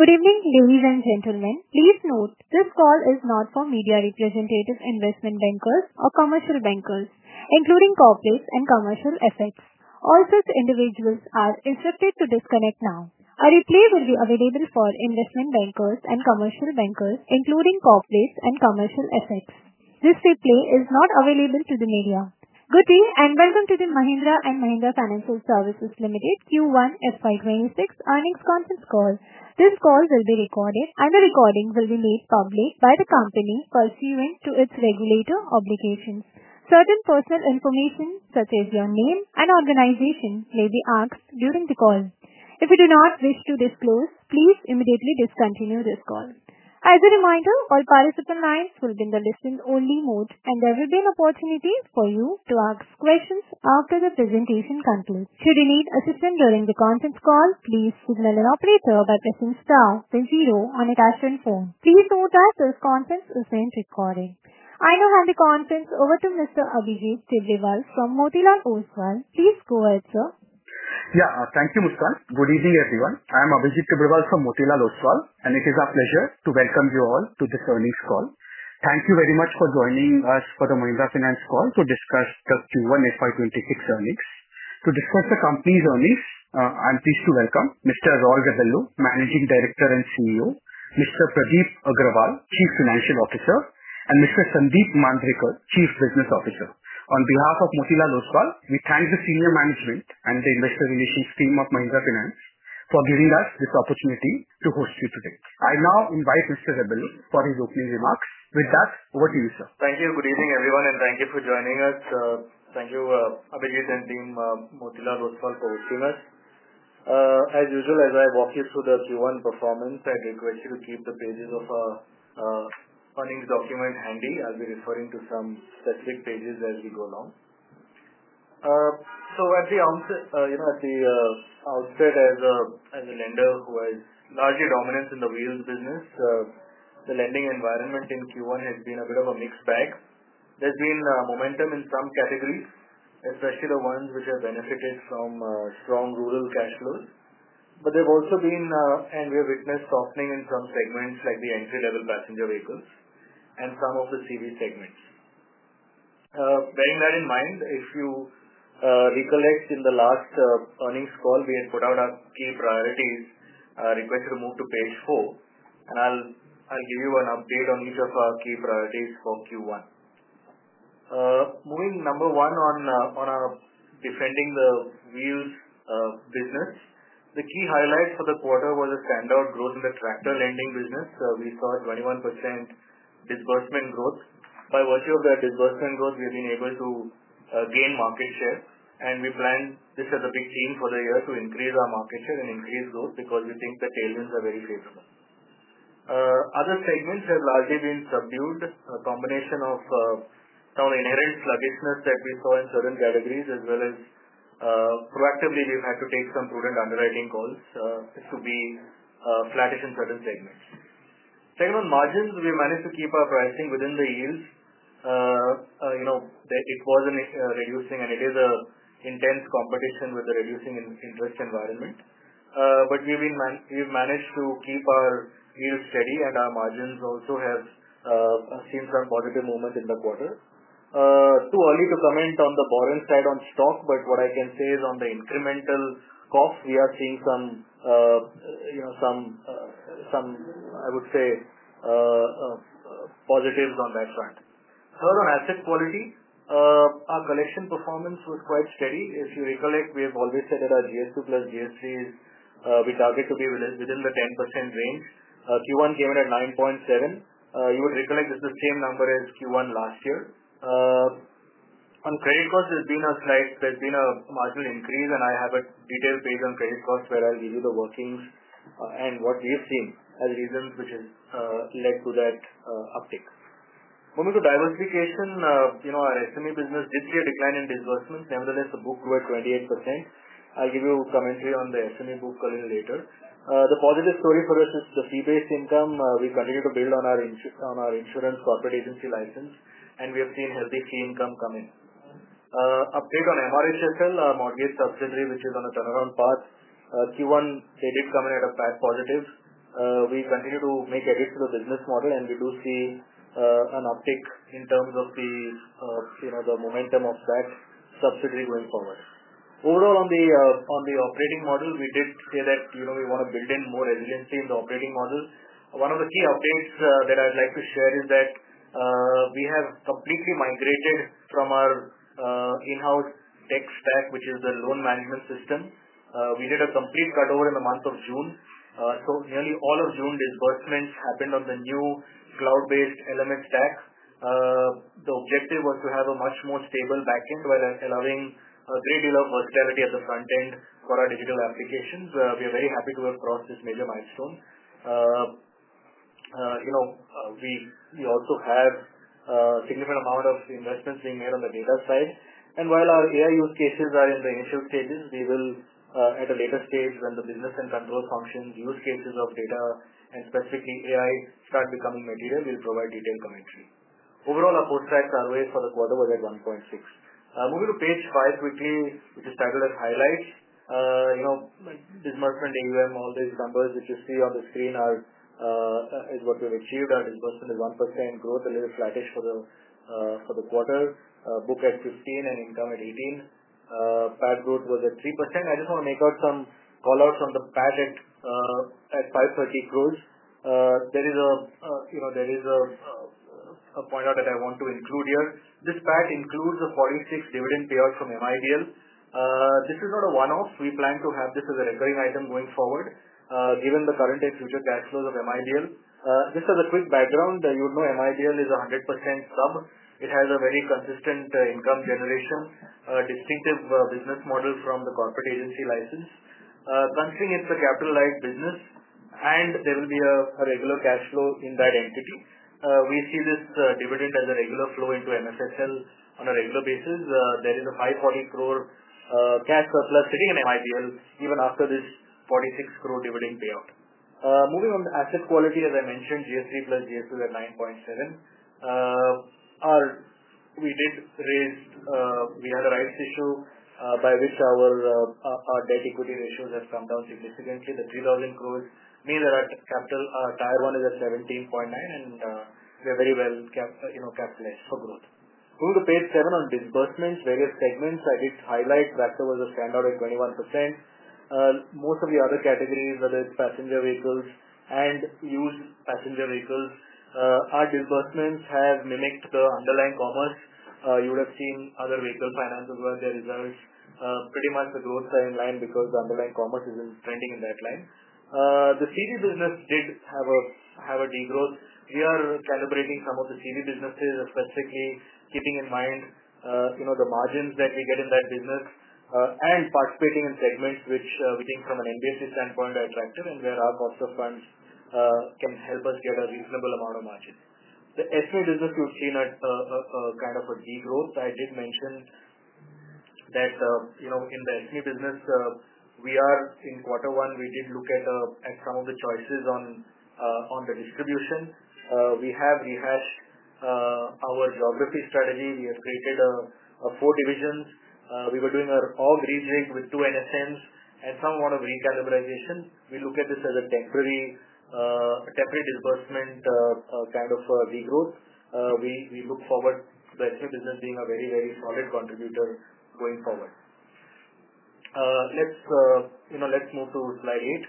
Good evening ladies and gentlemen. Please note, this call is not for media representatives, investment bankers, or commercial bankers, including corporates and commercial FX. All such individuals are instructed to disconnect now. A replay will be available for investment bankers and commercial bankers, including corporates and commercial assets. This replay is not available to the media. Good day and welcome to the Mahindra & Mahindra Financial Services Limited Q1FY26 earnings conference call. This call will be recorded and the recording will be made public by the company pursuant to its regulatory obligations. Certain personal information such as your name and organization may be asked during the call. If you do not wish to disclose, please immediately discontinue this call. As a reminder, all participant lines will be in listen-only mode and there will be an opportunity for you to ask questions after the presentation concludes. Should you need assistance during the conference call, please signal an operator by pressing star then zero on your telephone keypad. Please note that this content is maintained. I now hand the conference over to Mr. Abhijit Tibrewal from Motilal Oswal. Please go ahead, sir. Thank you, Muskan. Good evening everyone. I am Abhijit Tibrewal from Motilal Oswal and it is our pleasure to welcome you all to this earnings call. Thank you very much for joining us. For the Mahindra Finance call to discuss the Q1 FY2026 earnings, to discuss the company's earnings, I'm pleased. To welcome Mr. Raul Rebello, Managing Director and CEO, Mr. Pradeep Agrawal, Chief Financial Officer, and Mr. Sandeep Mandrekar, Chief Business Officer on behalf of Motilal Oswal, we thank the Senior Management and the Investor Relations team of Mahindra Finance for giving us. This opportunity to host you today. I now invite Mr. Raul Rebello for his opening remarks with that, over to you, sir. Thank you. Good evening everyone and thank you for joining us. Thank you, Abhijit and Team Motilal Oswal for hosting us. As usual, as I walk you through the Q1 performance, I'd request you to keep the pages of our earnings document handy. I'll be referring to some specific pages as we go along. At the outset, as a lender who has largely dominance in the wheels business, the lending environment in Q1 has been a bit of a mixed bag. There's been momentum in some categories, especially the ones which have benefited from strong rural cash flows. They've also been, and we have witnessed softening in some segments like the entry level passenger vehicles and some of the CV segments. Bearing that in mind, if you recollect in the last earnings call we had put out our key priorities, request you to move to page four and I'll give you an update on each of our key priorities for Q1. Moving number one on our defending the wheels business, the key highlight for the quarter was a standout growth in the tractor lending business. We saw 21% disbursement growth. By virtue of that disbursement growth we have been able to gain market share and we plan this as a big theme for the year to increase our market share and increase growth because we think the tailwinds are very favorable. Other segments have largely been subdued, a combination of inherent sluggishness that we saw in certain categories as well as proactively. We've had to take some prudent underwriting calls to be flattish in certain segments. Second, on margins we managed to keep our pricing within the yields, it was reducing and it is an intense competition with the reducing interest environment. We've managed to keep our yield steady and our margins also have seen some positive moment in the quarter. Too early to comment on the borrowing side on stock, what I can say is on the incremental cost we are seeing some, I would say, positives on that front. Third, on asset quality, our collection performance was quite steady. If you recollect, we have always said that our GS2 plus GS3 is we target to be within the 10% range. Q1 came in at 9.7%. You would recollect this is the same number as Q1 last year. On credit cost there's been a slight, there's been a marginal increase and I have a detailed page on credit cost where I'll give you the workings and what we've seen as reasons which has led to that uptick. Moving to diversification, our SME business did see a decline in disbursements. Nevertheless, the book grew at 28%. I'll give you commentary on the SME book a little later. The positive story for us is the fee-based income. We continue to build on our insurance corporate agency license, and we have seen healthy fee income coming. Update on MRHFL, our mortgage subsidiary, which is on a turnaround path. Q1 they did come in at a positive. We continue to make edits to the business model, and we do see an uptick in terms of fees, the momentum of that subsidiary going forward. Overall, on the operating model, we did say that we want to build in more resiliency in the operating model. One of the key updates that I'd like to share is that we have completely migrated from our in-house tech stack, which is the loan management system. We did a complete cutover in the month of June, so nearly all of June disbursements happened on the new cloud-based element stack. The objective was to have a much more stable backend while allowing a great deal of versatility at the front end for our digital applications. We are very happy to have crossed this major milestone. We also have a significant amount of investments being made on the data side, and while our AI use cases are in the initial stages, we will at a later stage, when the business and control functions use cases of data and specifically AI start becoming material, provide detailed commentary. Overall, our post-tax ROA for the quarter was at 1.6. Moving to page five quickly, which is titled as Highlights Disbursement AUM. All these numbers which you see on the screen is what we've achieved. Our disbursement is 1% growth. A little flattish for the quarter, book at 15 and income at 18. PAT growth was at 3%. I just want to make out some call outs on the PAT at INR 530 crore. There is a point out that I want to include here. This PAT includes a 46 crore dividend payout from MIBL. This is not a one-off. We plan to have this as a recurring item going forward given the current and future cash flows of MIBL. Just as a quick background, you know MIBL is 100% sub. It has a very consistent income generation, distinctive business model from the corporate agency license. Considering it's a capital-light business and there will be a regular cash flow in that entity, we see this dividend as a regular flow into Mahindra Finance on a regular basis. There is a 540 crore cash surplus sitting in MIBL even after this 46 crore dividend payout. Moving on to asset quality, as I mentioned, GS2 plus GS3 is at 9.7. We did raise. We had a rights issue by which our debt equity ratios have come down significantly. The 3,000 crores means that our capital Tier-1 is at 17.9 and we are very well capitalized for growth. Moving to page seven on disbursements, various segments I did highlight, Raptor was a standout at 21%. Most of the other categories, whether it's passenger vehicles and used passenger vehicles, our disbursements have mimicked the underlying commerce. You would have seen other vehicle finances where there is pretty much the growth are in line because the underlying commerce isn't trending in that line. The CV business did have a degrowth. We are calibrating some of the CV businesses specifically keeping in mind the margins that we get in that business and participating in segments which we think from an NBFC standpoint are attractive and where our cost of funds can help us get a reasonable amount of margin. The SME business you've seen kind of a degrowth. I did mention that in the SME business we are in quarter one. We did look at some of the choices on the distribution. We have rehashed our geography strategy. We have created four divisions. We were doing our org rejig with two NSNs and some want of recalibralization. We look at this as a temporary, temporary disbursement kind of regrowth. We look forward to the SME business being a very very solid contributor going forward. Let's move to slide eight.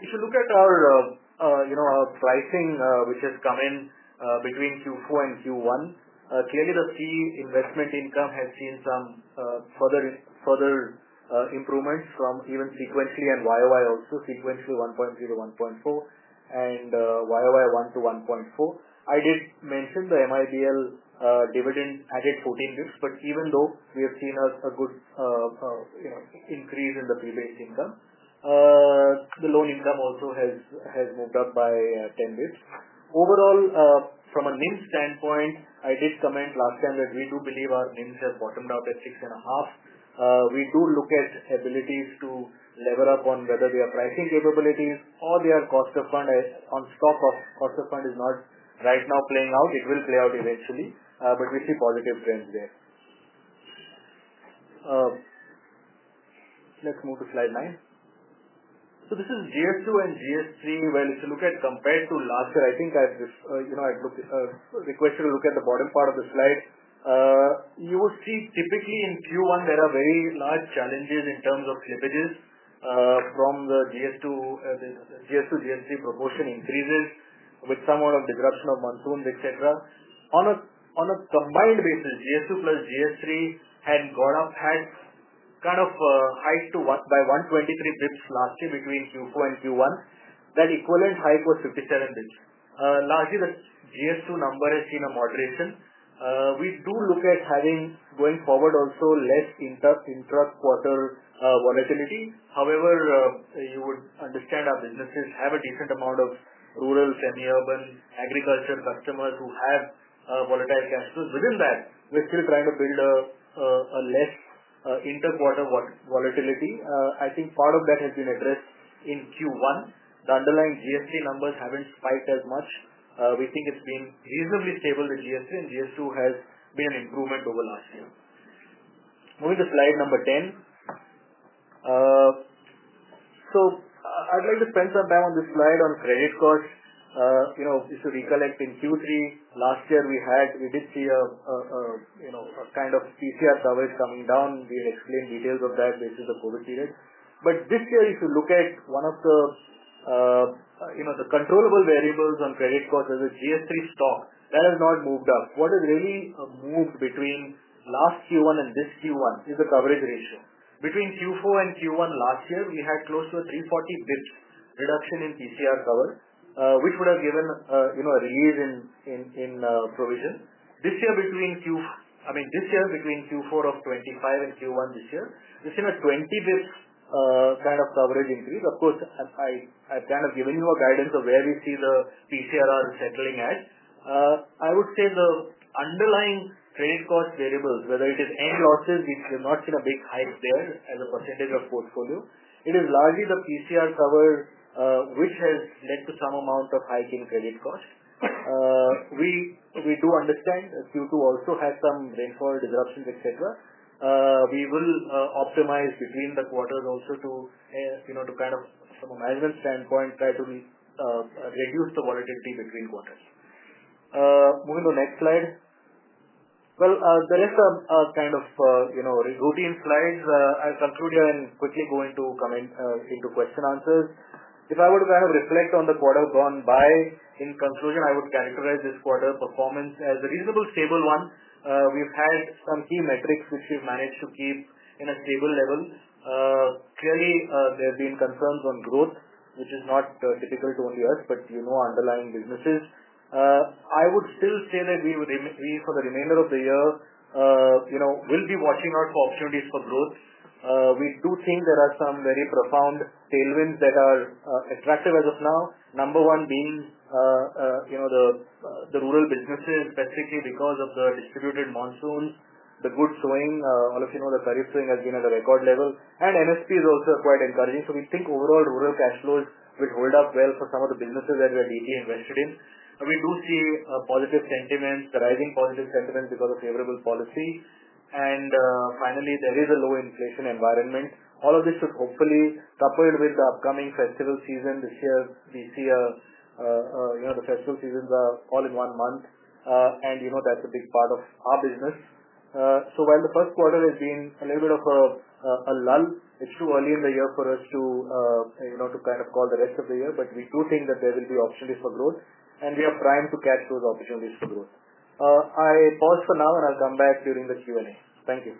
If you look at our pricing which has come in between Q4 and Q1, clearly the fee-based income has seen some further improvements from even sequentially and year-on-year also sequentially 1.3 to 1.4 and year-on-year 1 to 1.4. I did mention the MIBL dividend added 14 basis points but even though we have seen a good increase in the fee-based income, the loan income also has moved up by 10 basis points overall from a NIM standpoint. I did comment last time that we do believe our NIMs have bottomed out at 6.5. We do look at abilities to level up on whether they are pricing capabilities or they are cost of fund. On stock of cost of fund is not right now playing out. It will play out eventually but we see positive trends there. Let's move to slide nine. This is GS2 and GS3. If you look at compared to last year I think I request you to look at the bottom part of the slide. You would see typically in Q1 there are very large challenges in terms of slippages from the GS2, GS2, GS3 proportion increases with some amount of disruption of monsoons etc. On a combined basis, GS2 plus GS3 had gone up, had kind of hiked to 123 basis points last year. Between Q4 and Q1, that equivalent hike was 57 basis points. Largely, the GS2 number has seen a moderation. We do look at having, going forward, also less intra-quarter volatility. However, you would understand our businesses have a decent amount of rural, semi-urban, agriculture customers who have volatile cash flows within that. We're still trying to build a less inter-quarter volatility. I think part of that has been addressed in Q1. The underlying GS2 numbers haven't spiked as much. We think it's been reasonably stable in GS2, and GS2 has been an improvement over last year. Moving to slide number 10, I'd like to spend some time on this slide. On credit cost, if you recollect, in Q3 last year we did see a kind of PCR coverage coming down. We'll explain details of that based on the COVID period. This year, if you look at one of the controllable variables on credit cost as a GS3 stock, that has not moved up. What has really moved between last Q1 and this Q1 is the coverage ratio. Between Q4 and Q1 last year, we had close to a 340 basis points reduction in PCR cover, which would have given a release in provision. This year, between Q4 of 2025 and Q1 this year, this is a 20 basis points kind of coverage increase. Of course, I've kind of given you a guidance of where we see the PCR settling at. I would say the underlying credit cost variables, whether it is end losses, we have not seen a big hike there as a percentage of portfolio. It is largely the PCR cover which has led to some amount of hike in credit cost. We do understand Q2 also has some rainfall disruptions, etc. We will optimize between the quarters also to, from a management standpoint, try to reduce the volatility between quarters. Moving to next slide. There is a kind of routine slides. I'll conclude here and quickly go into coming into question answers. If I were to reflect on the quarter gone by, in conclusion, I would characterize this quarter performance as a reasonably stable one. We've had some key metrics which we've managed to keep at a stable level. Clearly, there have been concerns on growth, which is not difficult, only us, but you know, underlying businesses. I would still say that we, for the remainder of the year, will be watching out for opportunities for growth. We do think there are some very profound tailwinds that are attractive as of now. Number one being the rural businesses specifically because of the distributed monsoons, the good sowing. All of you know the tariff sowing has been at a record level and NSP is also quite encouraging. We think overall rural cash flows will hold up well for some of the businesses that we are deeply invested in. We do see positive sentiments rising, positive sentiment because of favorable policy, and finally there is a low inflation environment. All of this is hopefully coupled with the upcoming festival season. This year we see the festival seasons are all in one month and that's a big part of our business. While the first quarter has been a little bit of a lull, it's too early in the year for us to kind of call the rest of the year. We do think that there will be opportunities for growth and we are primed to catch those opportunities for growth. I pause for now and I'll come back during the Q&A. Thank you.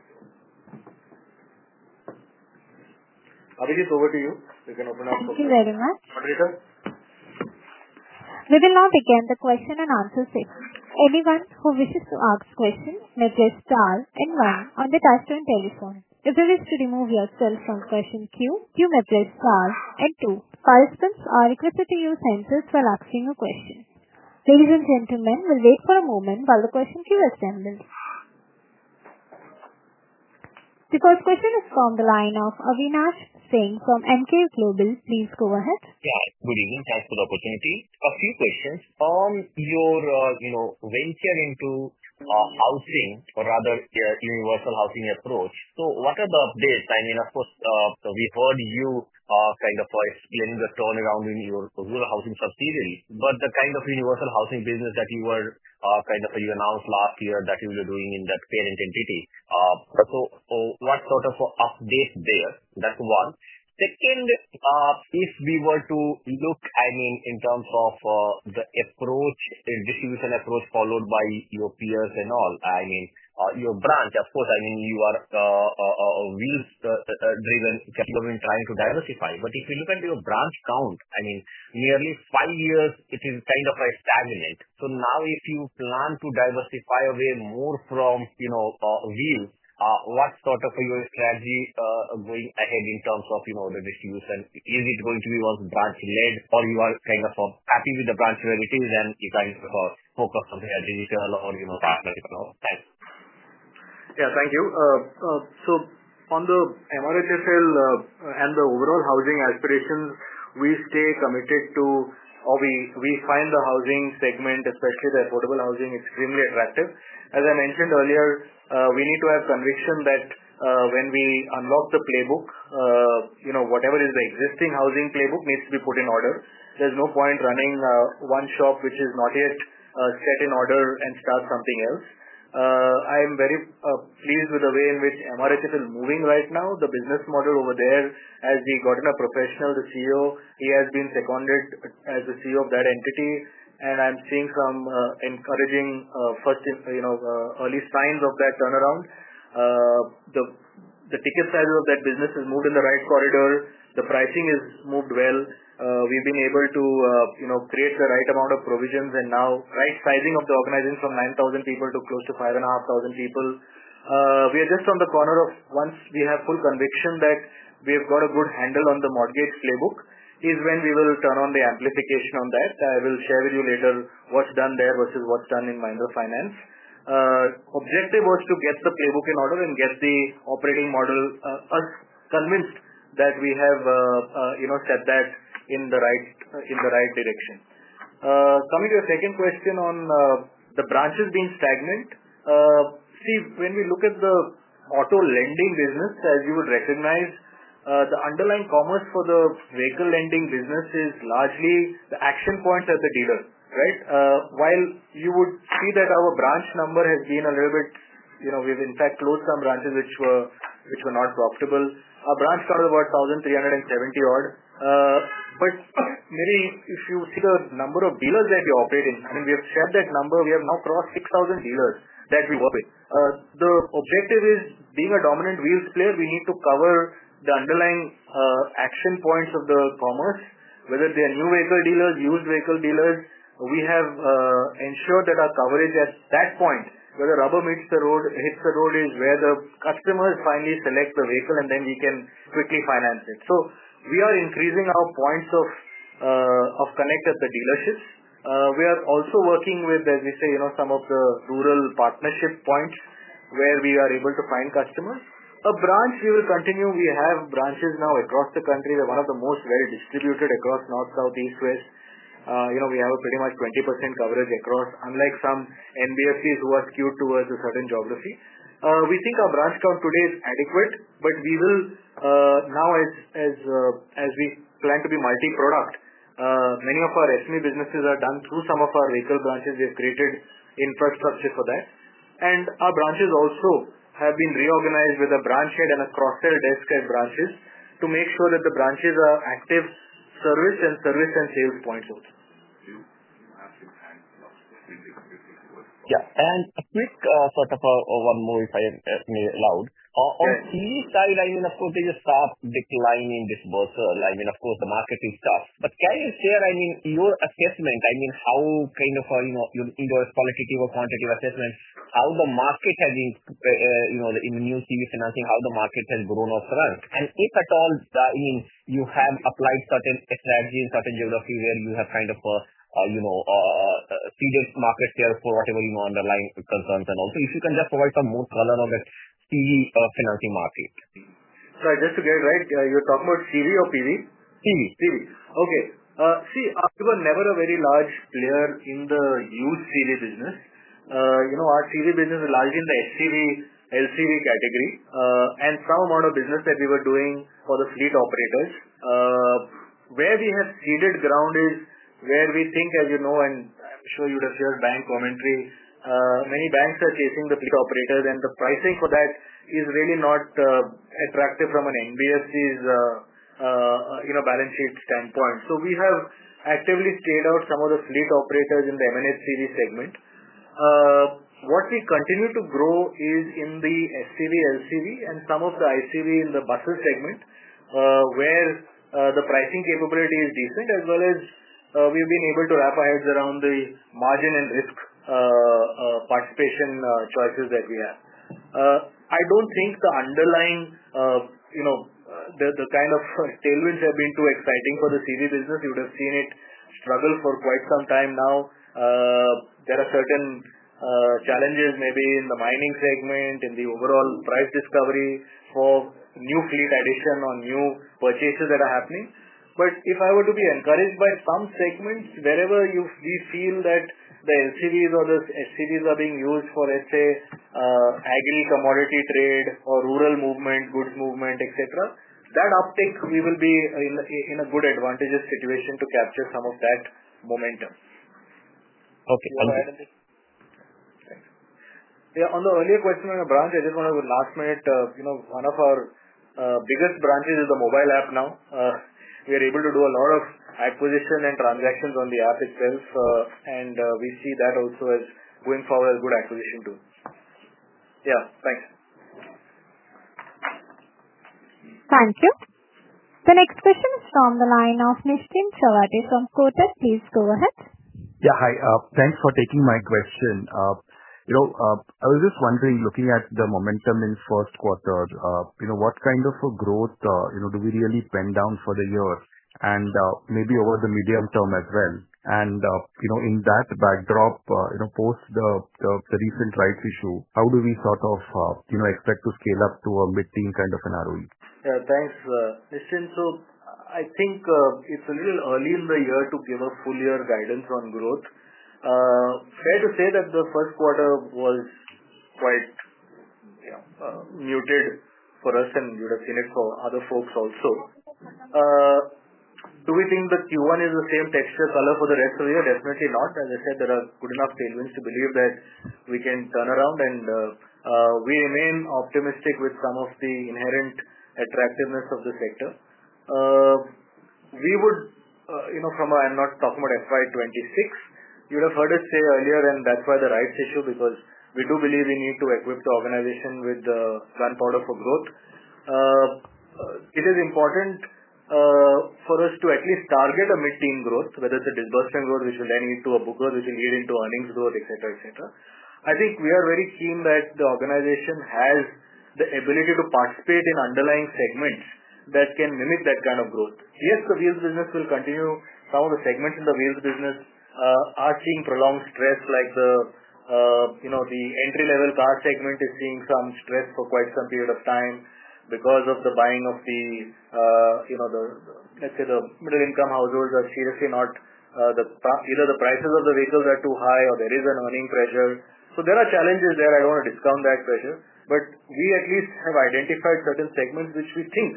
Abhijit, over to you. We can open up. Thank you very much. We will now begin the question and answer session. Anyone who wishes to ask questions may press star and one on the touch-tone telephone. If you wish to remove yourself from the question queue, you may press star and two. Participants are requested to use caution while asking a question. Ladies and gentlemen, we'll wait for a moment while the question queue assembles. The first question is from the line of Avinash Singh from Emkay Global. Please go ahead. Good evening. Thanks for the opportunity. A few questions on your venture into housing, or rather universal housing approach. What are the updates? I mean, of course we heard you explain the turnaround in your housing subsidiary, but the kind of universal housing business that you announced last year that you were doing in that parent entity. What sort of update there? That's one. Second, if we were to look in terms of the approach, distribution approach, followed by your peers and all, your branch, of course, you are driven, trying to diversify. If you look at your branch count, nearly five years, it is kind of like stagnant. Now if you plan to diversify away more from, you know, wheel, what sort of your strategy going ahead in terms of the distribution? Is it going to be branch led or you are happy with the branch where it is, then you can focus on the. Yes, thank you. On the MRHFL and the overall housing aspirations, we stay committed to or we find the housing segment, especially the affordable housing, extremely attractive. As I mentioned earlier, we need to have conviction that when we unlock the playbook, whatever is the existing housing playbook needs to be put in order. There's no point running one shop which is not yet set in order and start something else. I am very pleased with the way in which MRHFL is moving right now. The business model over there has gotten a professional, the CEO, he has been seconded as the CEO of that entity. I am seeing some encouraging early signs of that turnaround. The ticket size of that business has moved in the right corridor. The pricing has moved well. We've been able to create the right amount of provisions and now right sizing of the organization from 9,000 people to close to 5,500 people. We are just on the corner of once we have full conviction that we have got a good handle on the mortgage playbook is when we will turn on the amplification on that. I will share with you later what's done there versus what's done in Mahindra Finance. The objective was to get the playbook in order and get the operating model as convinced that we have set that in the right direction. Coming to your second question on the branches being stagnant, when we look at the auto lending business, as you would recognize, the underlying commerce for the vehicle lending business is largely the action points at the dealer. While you would see that our branch number has been a little bit, we've in fact closed some branches which were not profitable. Our branch covered about 1,370 odd. Maybe if you see the number of dealers that we operate in, I mean we have shared that number. We have now crossed 6,000 dealers that we work with. The objective is being a dominant wheels player. We need to cover the underlying action points of the commerce, whether they are new vehicle dealers or used vehicle dealers. We have ensured that our coverage at that point where the rubber meets the road, hits the road, is where the customers finally select the vehicle and then we can quickly finance it. We are increasing our points of connect at the dealerships. We are also working with, as we say, some of the rural partnership points where we are able to find customers a branch. We will continue. We have branches now across the country. They are one of the most well developed, distributed across north, south, east, west. We have pretty much 20% coverage across. Unlike some NBFCs who are skewed towards a certain geography, we think our branch count today is adequate, but we will now, as we plan to be multi product. Many of our SME businesses are done through some of our vehicle branches. We have created infrastructure for that, and our branches also have been reorganized with a Branch Head and a cross-sell desk head branches to make sure that the branches are active service and service and sales points also. A quick sort of one more if I may, loud on CE side of course there is a sharp decline in disbursal. Of course the market is tough, but can you share your assessment, kind of qualitative or quantitative assessment, how the market has, you know, in the new CV financing, how the market has grown or shrunk, and if at all, you have applied certain strategies in certain geography where you have kind of seeded market share for whatever underlying concerns. Also, if you can just provide some more color on the CV financing market. Just to get it right, you're talking about CV or PV? CV. CV, okay. We were never a very large player in the used CV business. Our CV business is largely in the LCV category and some amount of business that we were doing for the fleet operators. Where we have ceded ground is where we think, as you know, and I'm sure you would have heard bank commentary, many banks are chasing the fleet operators and the pricing for that is really not attractive from an NBFC's balance sheet standpoint. We have actively stayed out of some of the fleet operators in the MNHCV segment. What we continue to grow is in the SCV, LCV, and some of the ICV in the buses segment where the pricing capability is decent as well, as we've been able to wrap our heads around the margin and risk participation choices that we have. I don't think the underlying, you know, the kind of tailwinds have been too exciting for the CV business. You would have seen it struggle for quite some time now. There are certain challenges maybe in the mining segment, in the overall price discovery for new fleet addition or new purchases that are happening. If I were to be encouraged by some segments, wherever we feel that the LCVs or the SCVs are being used for, let's say, agri, commodity trade, or rural movement, goods movement, etc., that uptake, we will be in a good advantageous situation to capture some of that momentum. On the earlier question on your branch, I just want to go last minute. One of our biggest branches is the mobile app. Now we are able to do a lot of acquisition and transactions on the app itself, and we see that also as, going forward, a good acquisition tool. Thanks. Thank you. The next question is from the line of Nischint Chawathe from Kotak. Please go ahead. Thanks for taking my question. I was just wondering, looking at the momentum in first quarter, what kind of growth do we really pen down for the year and maybe over the medium term as well? In that backdrop, post the recent rights issue, how do we sort of expect to scale up to a mid term kind of an ROE? Thanks, Nischint. I think it's a little early in the year to give a full year guidance on growth. Fair to say that the first quarter was quite muted for us, and you would have seen it for other folks also. Do we think the Q1 is the same texture, color for the rest of the year? Definitely not. As I said, there are good enough tailwinds to believe that we can turn around, and we remain optimistic with some of the inherent attractiveness of the sector. We would, you know, I'm not talking about FY2026, you would have heard us say earlier. That's why the rights issue, because we do believe we need to equip the organization with gunpowder for growth. It is important for us to at least target a mid-teen growth, whether it's a disbursement growth, which will then lead to a book growth, which will lead into earnings growth, etc. I think we are very keen that the organization has the ability to participate in underlying segments that can mimic that kind of growth. Yes, the wheels business will continue. Some of the segments in the wheels business are seeing prolonged stress, like the entry-level car segment is seeing some stress for quite some period of time because of the buying of the middle-income households are seriously not, either the prices of the vehicles are too high or there is an earning pressure. There are challenges there. I don't want to discount that pressure, but we at least have identified certain segments which we think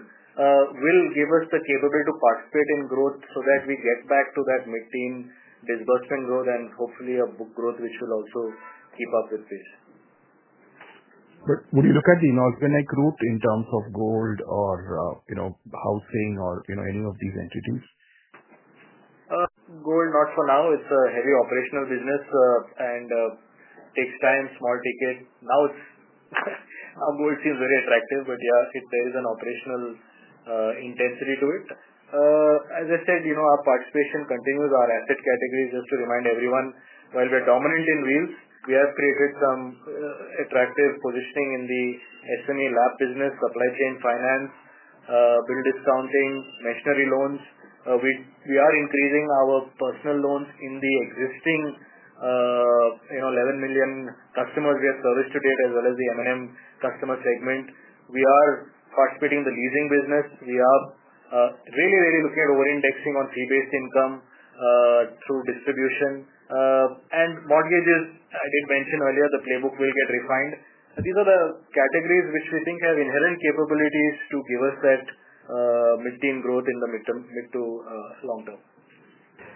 will give us the capability to participate in growth so that we get back to that mid-teen disbursement growth and hopefully a book growth which will also keep up with pace. Would you look at the inorganic. Route in terms of gold or housing. Any of these entities. Gold? Not for now. It's a heavy operational business and takes time. Small ticket. Now gold seems very attractive, but yeah, there is an operational intensity to it. As I said, our participation continues our asset categories. Just to remind everyone, while we are dominant in wheels, we have created some attractive positioning in the SME lab business, supply chain finance, bill discounting, machinery loans. We are increasing our personal loans in the existing 11 million customers we have serviced to date as well as the M&M customer segment. We are cockpit in the leasing business. We are really, really looking at over-indexing on fee-based income through distribution and mortgages. I did mention earlier the playbook will get refined. These are the categories which we think have inherent capabilities to give us that mid-teen growth in the midterm, mid to long term.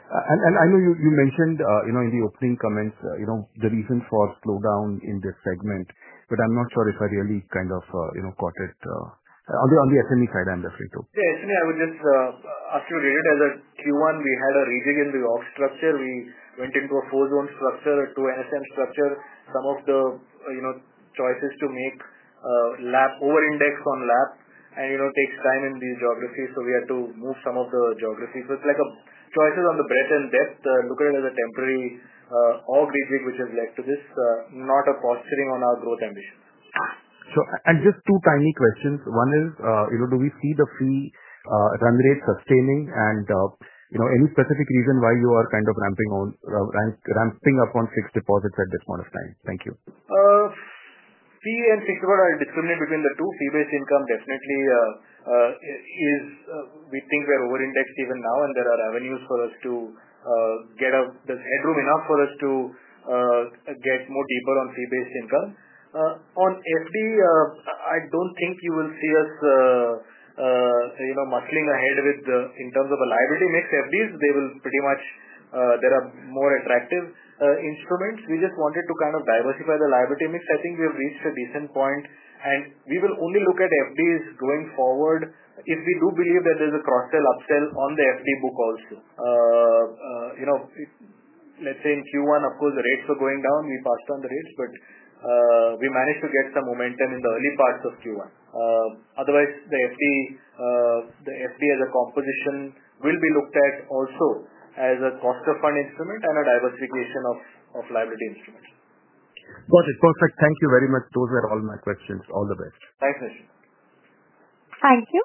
I know you mentioned in the. Opening comments, the reason for slowdown in this segment, but I'm not sure if I really kind of caught it on the SME side I'm referring to. I would just ask you as in Q1 we had a rejig in the org structure. We went into a four zone structure to an SM structure. Some of the choices to make lap over index on LAP and you know takes time in these geographies, so we had to move some of the geographies. It's like choices on the breadth and depth. Look at it as a temporary August rejig which has led to this, not a posturing on our growth ambitions. Have just two tiny questions. One is do we see the fee run rate sustaining, and any specific reason why you are kind of ramping up on fixed deposits at this point of time. Thank you. Fee and fixed record. I discriminate between the two. Fee-based income definitely is. We think we are over-indexed even now and there are avenues for us to get up. There's headroom enough for us to get more deeper on fee-based income. On FD, I don't think you will see us muscling ahead with, in terms of a liability mix, FDs. They will pretty much, there are more attractive instruments. We just wanted to kind of diversify the liability mix. I think we have reached a decent point and we will only look at FDs going forward if we do believe that there is a cross-sell, upsell on the FD book. Also, let's say in Q1, of course, the rates are going down. We passed on the rates, but we managed to get some momentum in the early parts of Q1. Otherwise, the FD as a composition will be looked at also as a cost of fund instrument and a diversification of liability instruments. Got it. Perfect. Thank you very much. Those are all my questions. All the best. Thanks Nischint. Thank you.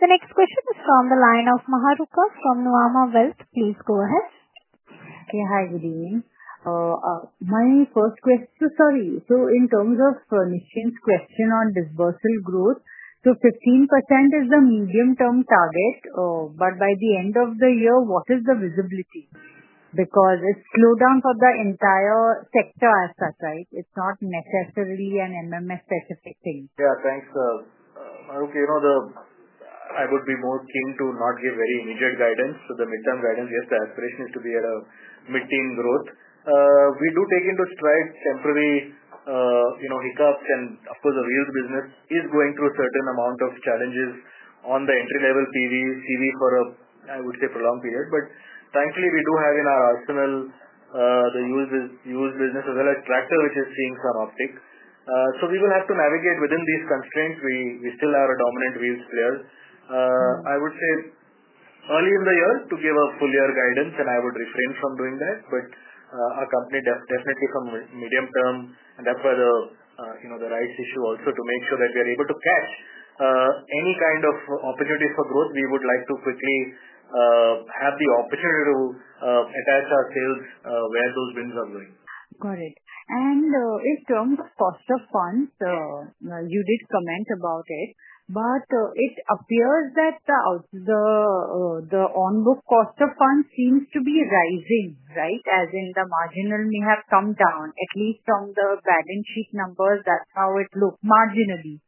The next question is from the line of Mahrukh from Nuvama Wealth. Please go ahead. Hi, good evening. My first question. Sorry. In terms of Nishin's question on disbursement growth, 15% is the medium-term target, but by the end of the year what is the vision? Visibility, because it's slowdown for the entire sector as such, it's not necessarily a MF specific thing. Yeah, thanks. I would be more keen to not give very immediate guidance. The midterm guidance, yes, the aspiration is to be at a mid-teen growth. We do take into stride temporary hiccups, and of course the wheels business is going through a certain amount of challenges on the entry-level CV for, I would say, a prolonged period. Thankfully, we do have in our arsenal the used business as well as tractor, which is seeing some uptick. We will have to navigate within these constraints. We still have a dominant wheels player. I would say early in the year to give a full-year guidance, and I would refrain from doing that. Our company, definitely from medium term, and therefore the rights issue also, to make sure that we are able to catch any kind of opportunities for growth, we would like to quickly have the opportunity to attach ourselves where those wins are going. Got it. In terms of cost of funds, you did comment about it, but it appears that the on-book cost of funds seems to be rising, right? As in, the marginal may have come down at least from the balance sheet numbers. That's how it looks marginally.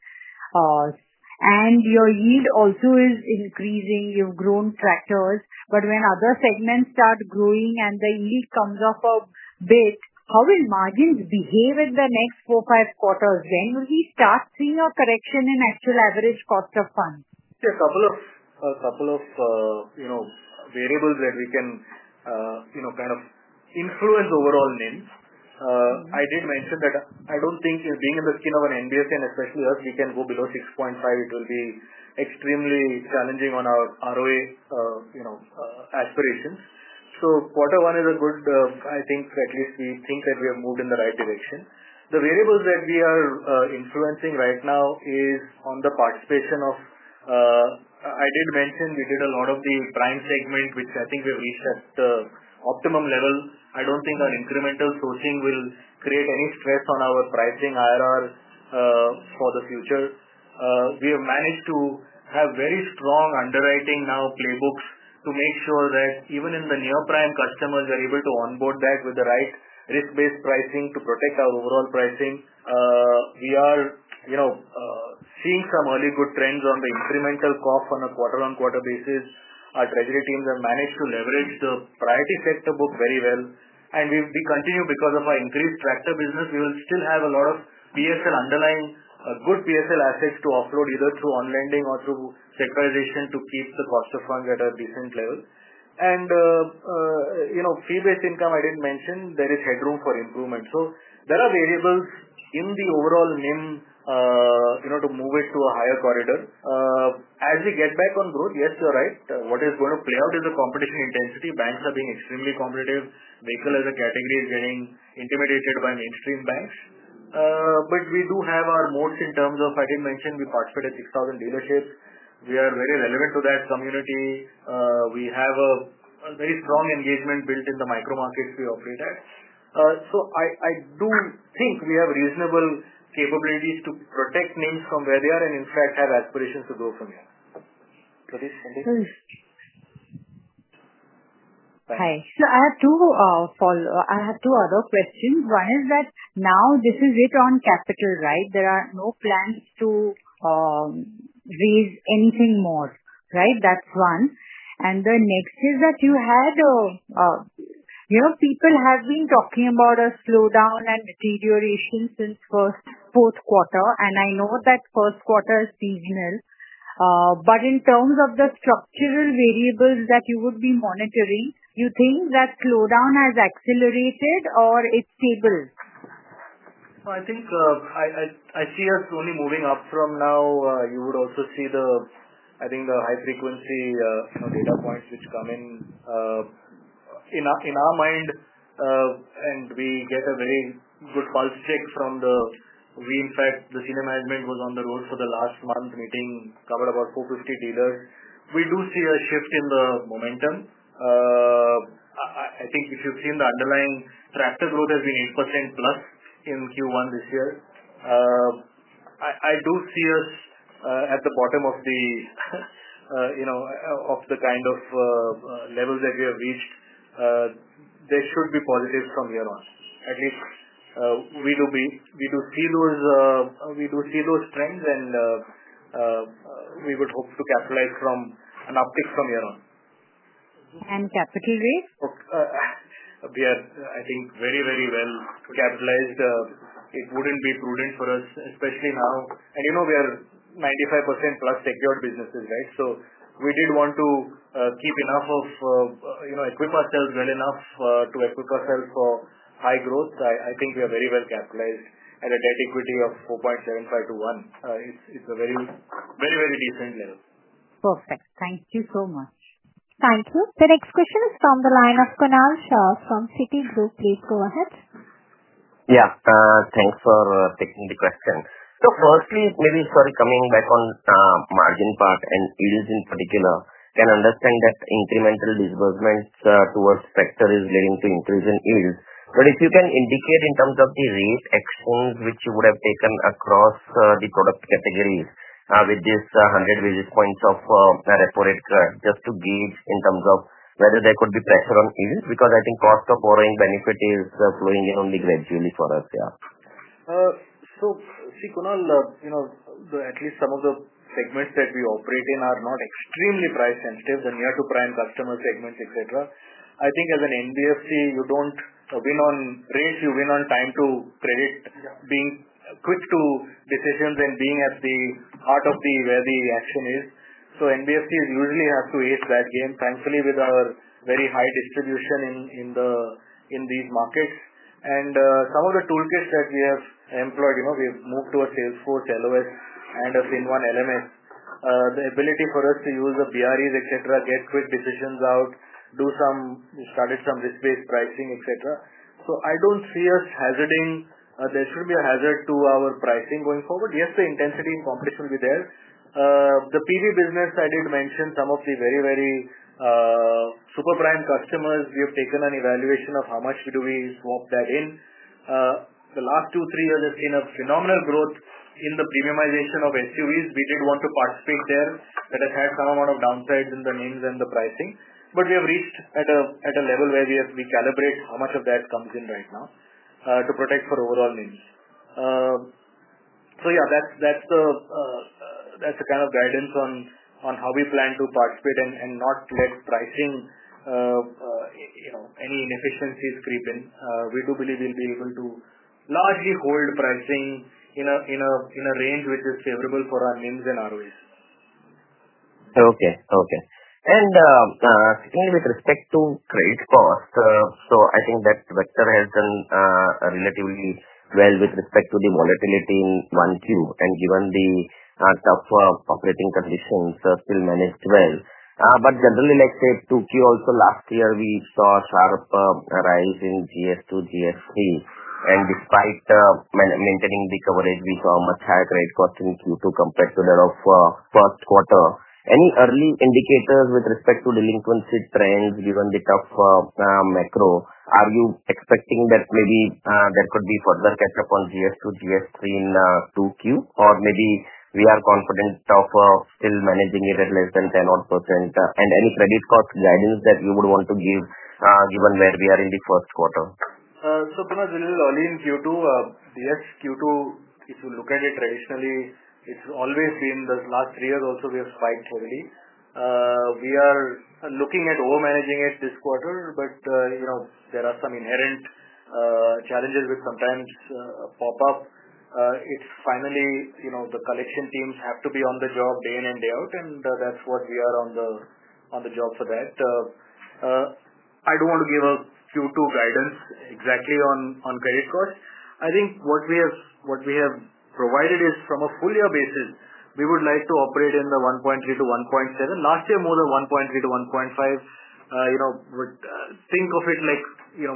Your yield also is increasing. You've grown tractors. When other segments start growing and the yield comes up a bit, how will margins behave in the next 4-5 quarters? When will we start seeing a correction in actual average cost of funds? A couple of variables that we can kind of influence overall NIMs. I did mention that I don't think being in the skin of an NBFC and especially us we can go below 6.5, it will be extremely challenging on our ROA aspirations. Quarter one is good, I think at least we think that we have moved in the right direction. The variables that we are influencing right now are on the participation of. I did mention we did a lot of the prime segment, which I think we have reached at the optimum level. I don't think our incremental sourcing will create any stress on our pricing IRR for the future. We have managed to have very strong underwriting now, playbooks to make sure that even in the near prime customers, we are able to onboard that with the right risk-based pricing to protect our overall pricing. We are seeing some early good trends on the incremental cost on a quarter-on-quarter basis. Our treasury teams have managed to leverage the priority sector book very well, and we continue because of our increased tractor business. We will still have a lot of PSL underlying good PSL assets to offload either through on-lending or through securitization to keep the cost of funds at a decent level and fee-based income. I did mention there is headroom for improvement. There are variables in the overall NIM to move it to a higher corridor as we get back on growth. Yes, you're right. What is going to play out is the competition intensity. Banks are being extremely competitive, vehicle as a category is getting intimidated by mainstream banks. We do have our moats in terms of. I did mention we participate at 6,000 dealerships. We are very relevant to that community. We have a very strong engagement built in the micro markets we operate at. I do think we have reasonable capabilities to protect NIMs from where they are and in fact have aspirations to go from here. Hi. I have two other questions. One is that now this is it on capital, right? There are no plans to raise anything more, right? That's one. The next is that you had, you know, people have been talking about a slowdown and deterioration since the fourth quarter. I know that the first quarter is seasonal, but in terms of the structural variables that you would be monitoring, do you think that slowdown has accelerated or it's stable? I think I see us slowly moving up from now. You would also see the high frequency data points which come in our mind and we get a very good pulse check from the. In fact, the senior management was on the road for the last month meeting, covered about 450 dealers. We do see a shift in the momentum. I think if you've seen the underlying tractor growth has been 8%+ in Q1 this year. I do see us at the bottom of the, you know, of the kind of level that we have reached. There should be positives from here on at least. We do see those trends and we would hope to capitalize from an uptick from here on and capital rate. We are, I think, very, very well capitalized. It wouldn't be prudent for us, especially now, and you know, we are 95% plus secured business. We did want to keep enough of, you know, equip ourselves well enough to equip ourselves for high growth. I think we are very well capitalized at a debt equity of 4.75 to 1. It's a very, very, very decent level. Perfect. Thank you so much. Thank you. The next question is from the line of Kunal Shah from Citigroup. Please go ahead. Thanks for taking the question. Firstly, maybe sorry, coming back on margin part and yields in particular, can understand that incremental disbursements towards Spectre is leading to increase in yields. If you can indicate in terms of the rate actions which you would have taken across the product categories with this 100 basis points of reformatory just to gauge in terms of whether there could be pressure on yields because I think cost of borrowing benefit is flowing in only gradually for us. See Kunal, at least some of the segments that we operate in are not extremely price sensitive. The near to prime customer segments, etc. I think as an NBFC you don't win on rates, you win on time to predict, being quick to decisions and being at the heart of where the action is. An NBFC usually has to ace that game. Thankfully, with our very high distribution in these markets and some of the toolkits that we have employed, we have moved to a Salesforce LOS and a Fin1 LMS. The ability for us to use the BREs, etc., get quick decisions out, and do some risk-based pricing, etc. I don't see us hazarding there should be a hazard to our pricing going forward. Yes, the intensity and competition will be there. The PV business, I did mention some of the very, very super prime customers. We have taken an evaluation of how much do we swap that. In the last two, three years, we have seen a phenomenal growth in the premiumization of SUVs. We did want to participate there. That has had some amount of downsides in the NIMs and the pricing, but we have reached at a level where we have recalibrated how much of that comes in right now to protect for overall NIMs. That's the kind of guidance on how we plan to participate and not let pricing inefficiencies creep in. We do believe we'll be able to largely hold pricing in a range which is favorable for our NIMs and ROAs. Okay. Okay. With respect to credit cost, I think that vector has been relatively well with respect to the volatility in 1Q and given the tough operating conditions still managed well. Generally, like say 2Q, last year we saw a sharp rise in GS2 plus GS3 and despite maintaining the coverage we saw a much higher credit cost in Q2 compared to that of the first quarter. Any early indicators with respect to delinquency trends? Given the tough macro, are you expecting that maybe there could be further catch up on GS2 plus GS3 in 2Q or maybe we are confident of still managing it at less than 10% and any credit cost guidance that you would want to give given where we are in the first quarter so punish. A little early in Q2. Yes, Q2 if you look at it traditionally, it's always been the last three years. Also, we have spiked already. We are looking at over managing it this quarter, but you know there are some inherent challenges which sometimes pop up. It's finally, you know, the collection teams have to be on the job day in and day out, and that's what we are on the job for. I don't want to give a Q2 guidance exactly on credit cost. I think what we have provided is from a full year basis we would like to operate in the 1.3%-1.7%. Last year, more than 1.3%-1.5%. Think of it like we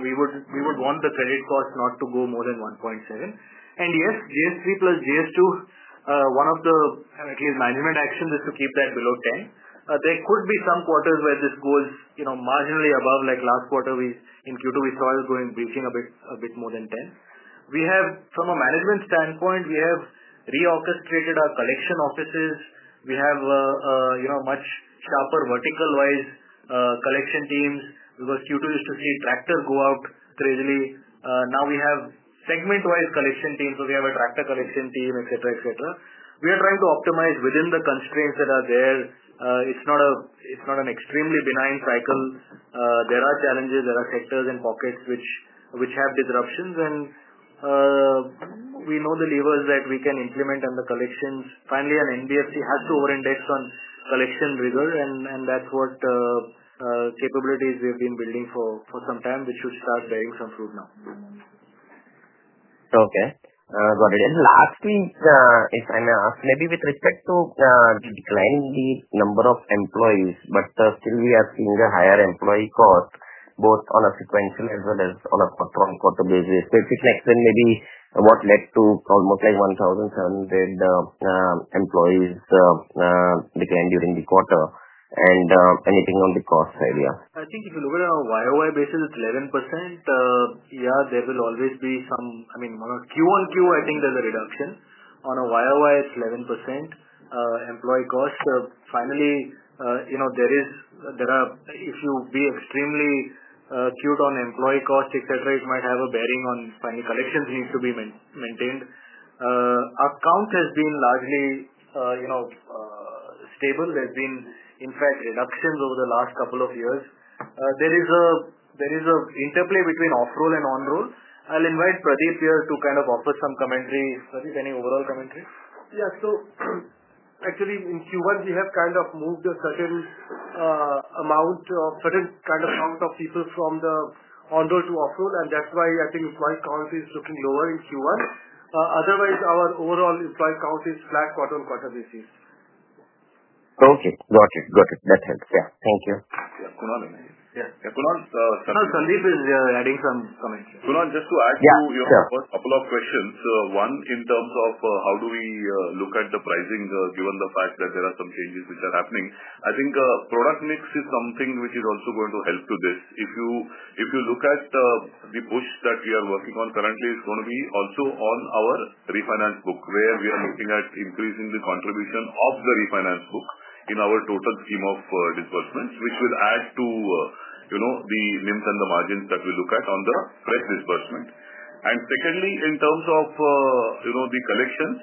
would want the credit cost not to go more than 1.7%. Yes, GS3 plus GS2, one of the management actions is to keep that below 10%. There could be some quarters where this goes marginally above. Like last quarter in Q2, we saw it going, breaching a bit more than 10%. We have, from a management standpoint, reorchestrated our collection offices. We have much sharper vertical-wise collection teams because Q2 used to see tractors go out crazily. Now we have segment-wise collection teams, so we have a tractor collection team, etc. We are trying to optimize within the constraints that are there. It's not an extremely benign cycle. There are challenges. There are sectors in pockets which have disruptions, and we know the levers that we can implement on the collections. Finally, an NBFC has to over index on collection rigor, and that's what capabilities we have been building for some time, which should start bearing some fruit now. Okay, got it. Lastly, if I may ask, maybe. With respect to declining the number of employees, we are still seeing a higher employee cost both on a sequential as well as on a quarter-on-quarter basis. What led to almost 1,700 employees declined during the quarter and anything on the cost side? Yeah, I think if you look at it on a YoY basis it's 11%. There will always be some. I mean on a Q on Q I think there's a reduction. On a YoY it's 11% employee costs. Finally, if you be extremely cute on employee cost etc. it might have a bearing on final collections, needs to be maintained, account has been largely stable. There's been in fact reductions over the last couple of years. There is an interplay between off roll and on roll. I'll invite Pradeep here to kind of offer some commentary. Pradeep, any overall commentary? Yeah, so actually in Q1 we have kind of moved a certain amount of certain kind of count of people from the on roll to off roll and that's why I think employee count is looking lower in Q1. Otherwise, our overall employee count is flat quarter on quarter basis. Okay, got it. That helps. Yeah, thank you. Now Sandeep is adding some comments. To add to your first couple of questions. One, in terms of how do we look at the pricing given the fact that there are some changes which are happening, I think product mix is something which is also going to help to this. If you look at the push that we are working on currently, it is going to be also on our refinance book where we are looking at increasing the contribution of the refinance book in our total scheme of disbursements, which will add to the NIMS and the margins that we look at on the fresh disbursement. Secondly, in terms of the collections,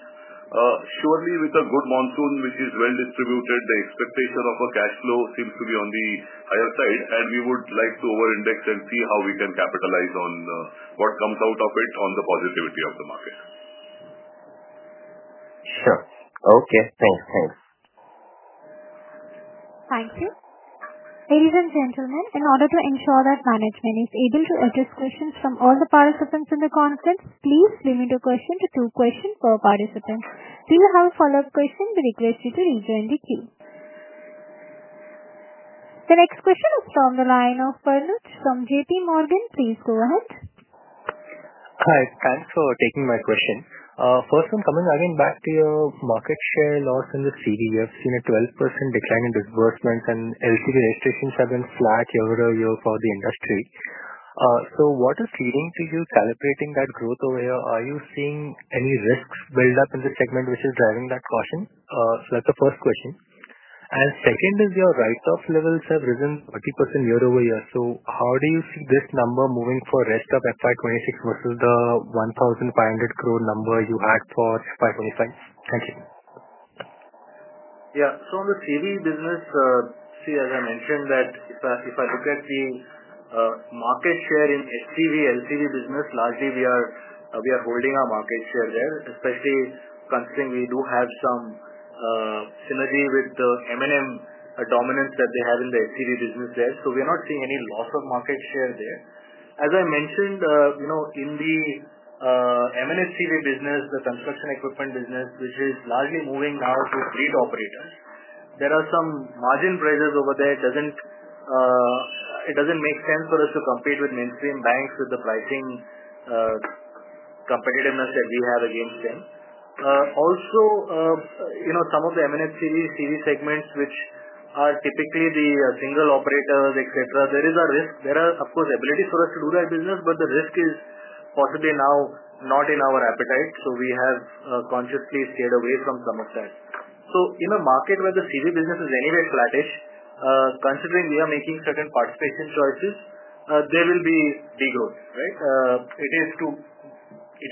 surely with a good monsoon which is well distributed, the expectation of a cash flow seems to be on the higher side and we would like to over index and see how we can capitalize on what comes out of it, on the positivity of the market. Sure. Okay. Thanks. Thanks. Thank you. Ladies and gentlemen, in order to ensure that management is able to address questions from all the participants in the conference, please limit a question to two questions per participant. If you have a follow up question, we request you to rejoin the queue. The next question is from the line of [Parnuch] from JPMorgan. Please go ahead. Hi, thanks for taking my question. First one, coming again back to your market share loss in the CV, you have seen a 12% decline in disbursements and CV registrations have been flat year-over-year for the industry. What is leading to you calibrating that growth over here? Are you seeing any risks build up in the segment which is driving that caution? That's the first question. Second is your write-off levels have risen 30% year-over-year. How do you see this number moving for the rest of FY2026 versus the 1,500 crore number you had for FY2025? Thank you. Yeah. On the CV business, as I mentioned, if I look at the market share in SCV LCV business, largely we are holding our market share there. Especially considering we do have some synergy with the Mahindra & Mahindra dominance that they have in the SCV business there. We are not seeing any loss of market share there. As I mentioned in the MNS CV business, the construction equipment business, which is largely moving now to fleet operators, there are some margin pressures over there. It doesn't make sense for us to compete with mainstream banks with the pricing competitiveness that we have against them. Also, some of the Mahindra Finance series segments, which are typically the single option, there is a risk. There is, of course, ability for us to do that business, but the risk is possibly now not in our appetite. We have consciously stayed away from some of that. In a market where the CV business is anyway flattish, considering we are making certain participation choices, there will be degrowth. It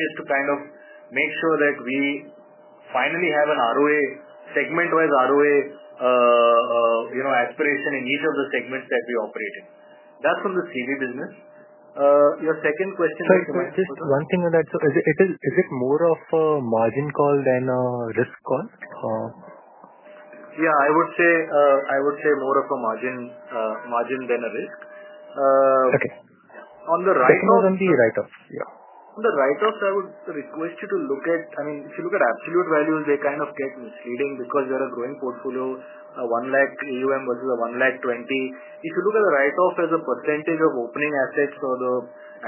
is to make sure that we finally have a segment-wise ROA aspiration in each of the segments that we operate in. That's from the CV business. Your second question. Just one thing on that. Is it more of a margin call than a risk call? Yeah, I would say more of a margin than a risk on the writers. On the write-offs. The write offs I would request you to look at. I mean if you look at absolute values, they kind of get misleading because you are a growing portfolio. 1 lakh AUM versus 1.2 lakh. If you look at the write off as a percentage of opening assets or the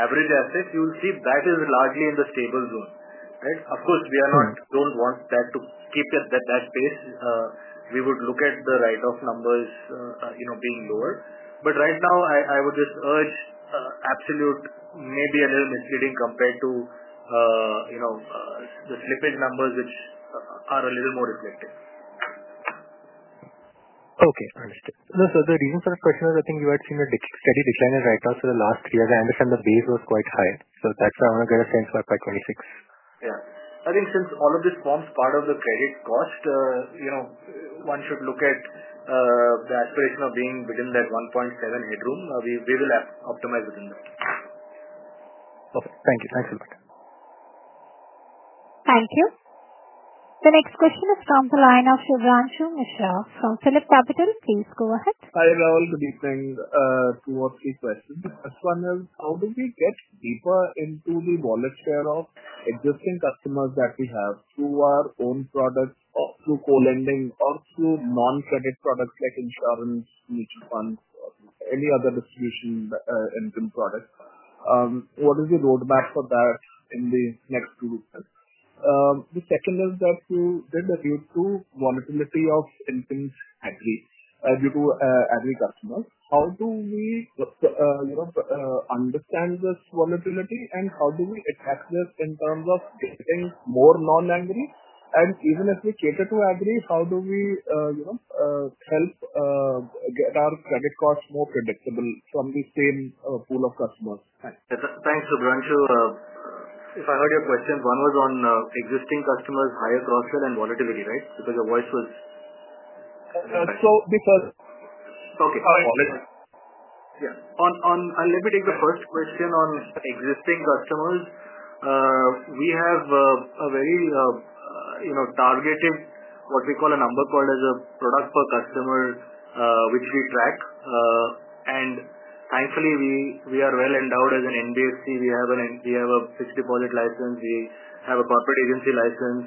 average asset, you will see that is largely in the stable zone. Of course, we don't want that to keep that pace; we would look at the write off numbers being lower. Right now, I would just urge absolute maybe a little misleading compared to the slippage numbers, which are a little more reflective. Okay, understood sir. The reason for the question is I think you had seen a steady decline in write down for the last three years. I understand the base was quite high. That's why I want to get a sense for FY2026. Yeah. I think since all of this forms part of the credit costs, one should look at the aspiration of being within that 1.7% headroom. We will optimize within them. Perfect. Thank you. Thanks a lot. Thank you. The next question is from the line of [Shubranshu Mishra] from PhillipCapital. Please go ahead. Hi Rahul. Good evening. Two or three questions. First one is how do we get. Deeper into the wallet share of existing customers that we have through our own products, or through co-lending, or through non-credit products like insurance, mutual funds, any other distribution product. What is the roadmap for that in the next two weeks? The second is that you did a. Due to volatility or intimidation due to agri customers. How do we. Understand this volatility. How do we attack this in terms? Of catering more non-angry? Even if we cater to angry, how do we cater to help get our credit cost more predictable from the same pool of customers? Thanks, [Subranshu]. If I heard your questions, one was on existing customers, higher cross sell, and volatility. Right. Let me take the first question on existing customers. We have a very targeted what we call a number called as a product per customer, which we track, and thankfully we are well endowed as an NBFC. We have a fixed deposit license, we have a corporate agency license,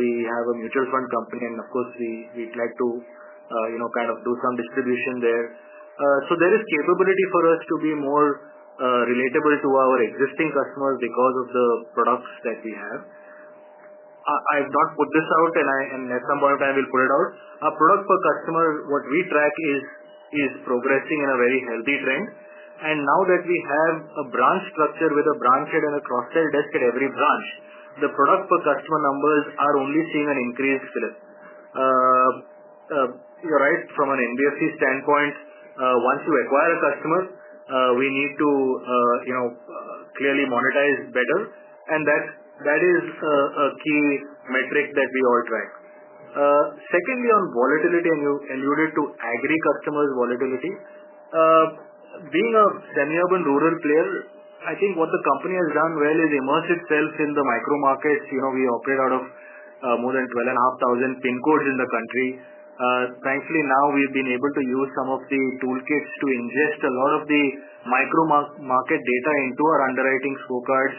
we have a mutual fund company, and of course we'd like to kind of do some distribution there. There is capability for us to be more relatable to our existing customers because of the products that we have. I have not put this out, and at some point in time we'll put it out. Our product per customer, what we track, is progressing in a very healthy trend. Now that we have a branch structure with a branch head and a cross sell desk at every branch, the product per customer numbers are only seeing an increased clip. You're right. From an NBFC standpoint, once you acquire a customer, we need to clearly monetize better, and that is a key metric that we all track. Secondly, on volatility, and you alluded to agri customers' volatility, being a semi-urban rural player, I think what the company has done well is immerse itself in the micro markets. We operate out of more than 12,500 pin codes in the country. Country. Thankfully now we've been able to use some of the toolkits to ingest a lot of the micro market data into our underwriting scorecards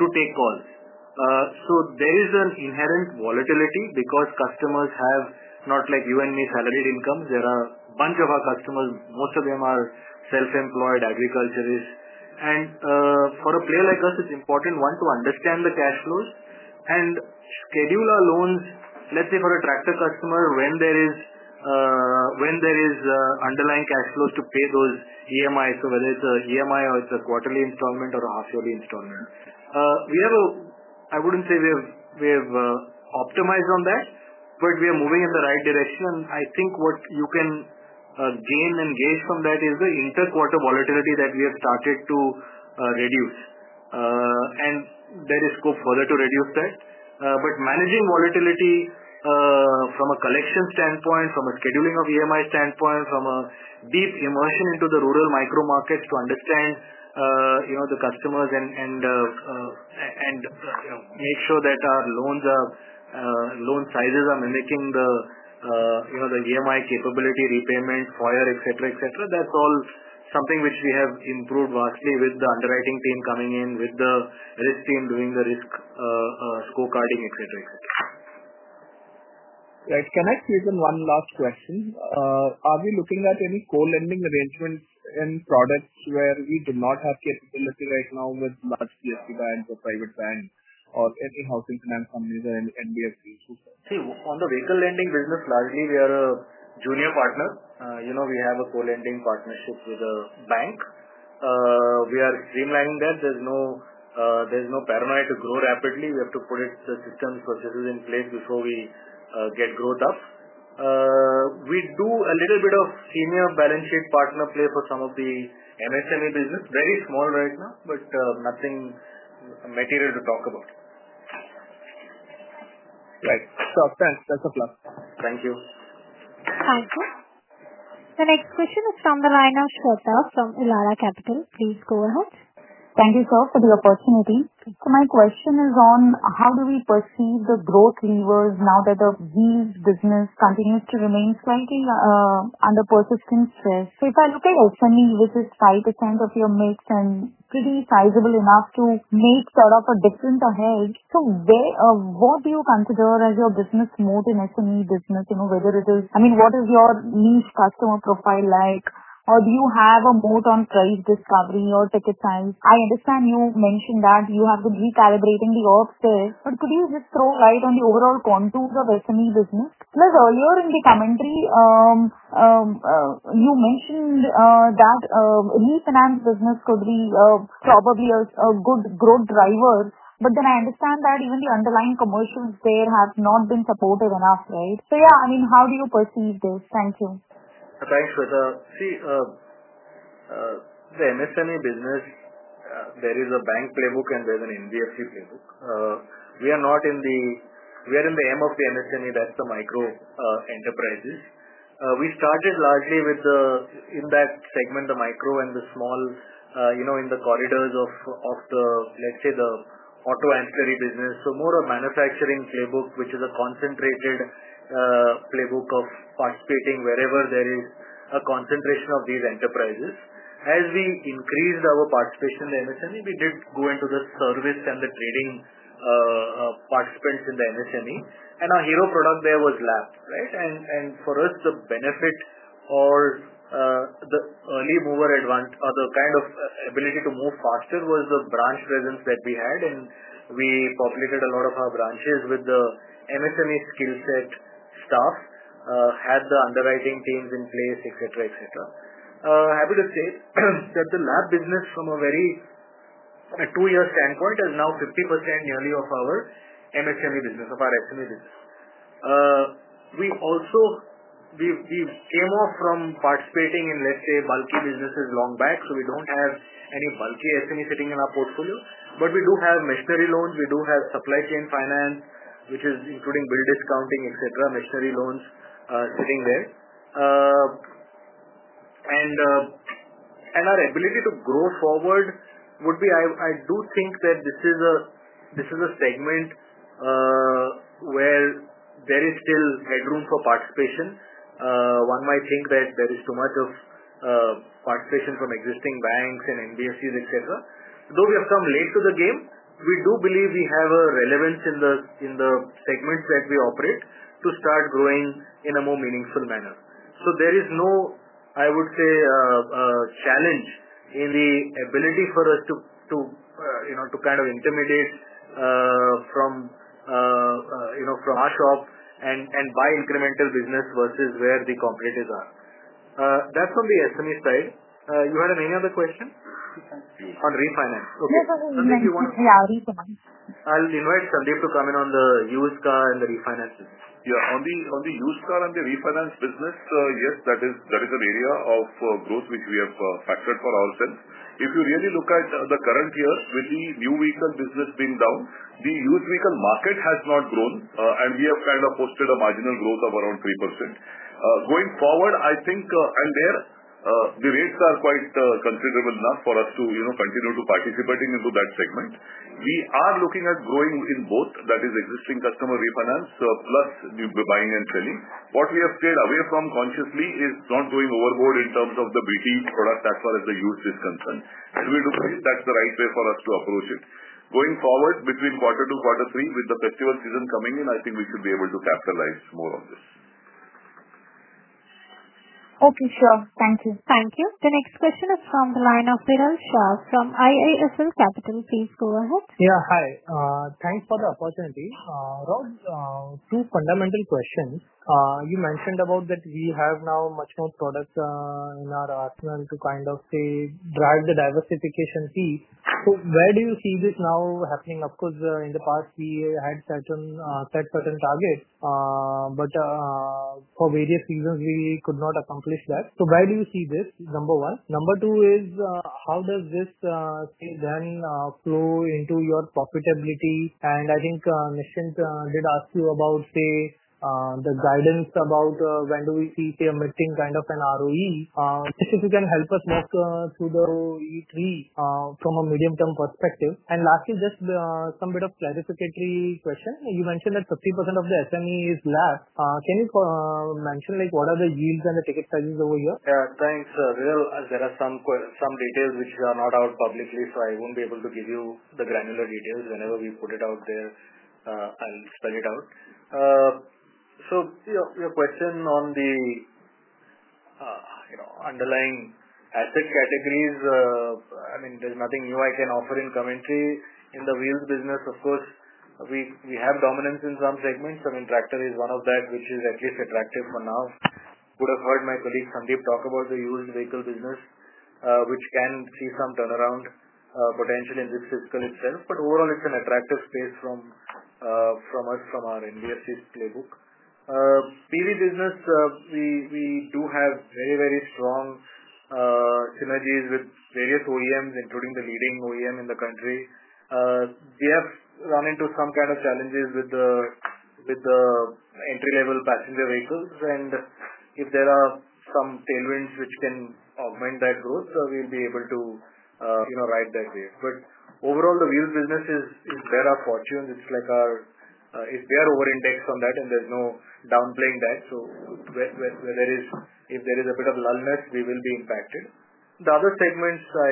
to take calls. There is an inherent volatility because customers have not, like you and me, salaried incomes. There are a bunch of our customers, most of them are self-employed agriculturists. For a player like us, it's important, one, to understand the cash flows and schedule our loans. Let's say for a tractor customer, when there is underlying cash flows to pay those EMI. Whether it's an EMI or it's a quarterly installment or a half-yearly installment, we have a, I wouldn't say we have optimized on that, but we are moving in the right direction. I think what you can gain and gauge from that is the inter-quarter volatility that we have started to reduce, and there is scope further to reduce that. Managing volatility from a collection standpoint, from a scheduling of EMI standpoint, from a deep immersion into the rural micro markets to understand the customers and make sure that our loans, our loan sizes, are mimicking the EMI capability, repayment, FOIA, etc. That's all something which we have improved vastly with the underwriting team coming in, with the risk team doing the risk scorecarding, etc. Etc. Right. Can I ask one last question? Are we looking at any co-lending? Arrangements in products where we do not have capability right now with large PSP banks or private banks or any housing finance companies are in who see. On the vehicle lending business, largely we are a junior partner. You know, we have a co-lending partnership with a bank. We are streamlining that. There is no paranoia to grow rapidly. We have to put the systems and processes in place before we get growth up. We do a little bit of senior balance sheet partner play for some of the MSME business. Very small right now, but nothing material to talk about. Right. Thanks, that's a plus. Thank you. Thank you. The next question is from the line of Shweta from Elara Capital. Please go ahead. Thank you sir for the opportunity. My question is on how do we perceive the growth levers now that the wheels business continues to remain slightly under persistent stress. If I look at SME, which is 5% of your mix and pretty sizable enough to make sort of a difference ahead, what do you consider as your business moat in SME business? You know, whether it is, I mean, what is your niche customer profile like or do you have a moat on price discovery or ticket size? I understand you mentioned that you have been recalibrating the offset. Could you just throw light on the overall contours of SME business? Earlier in the commentary you mentioned that refinance business could be probably a good growth driver. I understand that even the underlying commercials there have not been supportive enough. Right. I mean, how do you perceive this? Thank you. Thanks. See, the MSME business, there is a bank playbook and there is an NBFC playbook. We are in the M of the MSME. That's the micro enterprises. We started largely in that segment, the micro and the small, you know, in the corridors of the, let's say, the auto ancillary business. More a manufacturing playbook, which is a concentrated playbook of participating wherever there is a concentration of these enterprises. As we increased our participation in MSME, we did go into the service and the trading participants in the MSME, and our hero product there was LAP. For us, the benefit or the early mover advantage or the kind of ability to move faster was the branch presence that we had, and we populated a lot of our branches with the MSME skill set staff, had the underwriting teams in place, etc. Happy to say that the LAP business from a very two-year standpoint is now 50% nearly of our MSME business, of our SME business. We also came off from participating in, let's say, bulky businesses long back. We don't have any bulky SME sitting in our portfolio. We do have machinery loans. We do have supply chain finance, which is including bill discounting, etc. Machinery loans sitting there. Our ability to grow forward would be, I do think that this is a segment where there is still headroom for participation. One might think that there is too much participation from existing banks and NBFCs, etc. Though we have come late to the game, we do believe we have a relevance in the segments that we operate to start growing in a more meaningful manner. There is no, I would say, challenge in the ability for us to kind of originate from our shop and buy incremental business versus where the competitors are. That's on the SME side. You had many other questions on refinance. I'll invite Sandeep to come in. On the used car and the refinances, yes. On the used car and the refinance business, yes, that is an area of growth which we have factored for ourselves. If you really look at the current. Year with the new vehicle business being down, the used vehicle market has not grown and we have kind of posted a marginal growth of around 3%. Going forward, I think the rates are quite considerable enough for us to continue to participate into that segment. We are looking at growing in both, that is existing customer refinance plus buying and selling. What we have stayed away from consciously is not going overboard in terms of the BT product as far as the used is concerned. We do believe that's the right way for us to approach it going forward. Between quarter two, quarter three with the festival season coming in, I think we should be able to capitalize more on this. Okay, sure. Thank you. Thank you. The next question is from the line of Viral Shah from IIFL Capital. Please go ahead. Yeah. Hi. Thanks for the opportunity. Raj, two fundamental questions. You mentioned that we have now much more products in our arsenal to kind of drive the diversification fee. Where do you see this now happening? Of course, in the past we had set certain targets, but for various reasons we could not accomplish that. Why do you see this, number one? Number two is how does this then flow into your profitability? I think Nischint did ask you about the guidance about when do we see emitting kind of an ROE, if you can help us work through the ROE 3 from a medium term perspective. Lastly, just some bit of clarificatory question. You mentioned that sats of the SME is lakh. Can you mention what are the yields and the ticket sizes over here? Thanks, Viral. There are some details which are not out publicly, so I won't be able to give you the granular details. Whenever we put it out there, I'll spell it out. Your question on the underlying asset categories, I mean there's nothing new I can offer in commentary. In the wheels business, of course, we have dominance in some segments. I mean tractor is one of that which is at least attractive for now. You would have heard my colleague Sandeep talk about the used vehicle business, which can see some turnaround potential in this fiscal itself. Overall, it's an attractive space for us, from our NBFC playbook PV business. We do have very, very strong synergies with various OEMs, including the leading OEM in the country. We have run into some kind of challenges with the entry-level passenger vehicles, and if there are some tailwinds which can augment that growth, we'll be able to ride that wave. Overall, the wheels business is where our fortunes are. We are over-indexed on that, and there's no downplaying that. If there is a bit of lullness, we will be impacted. The other segments I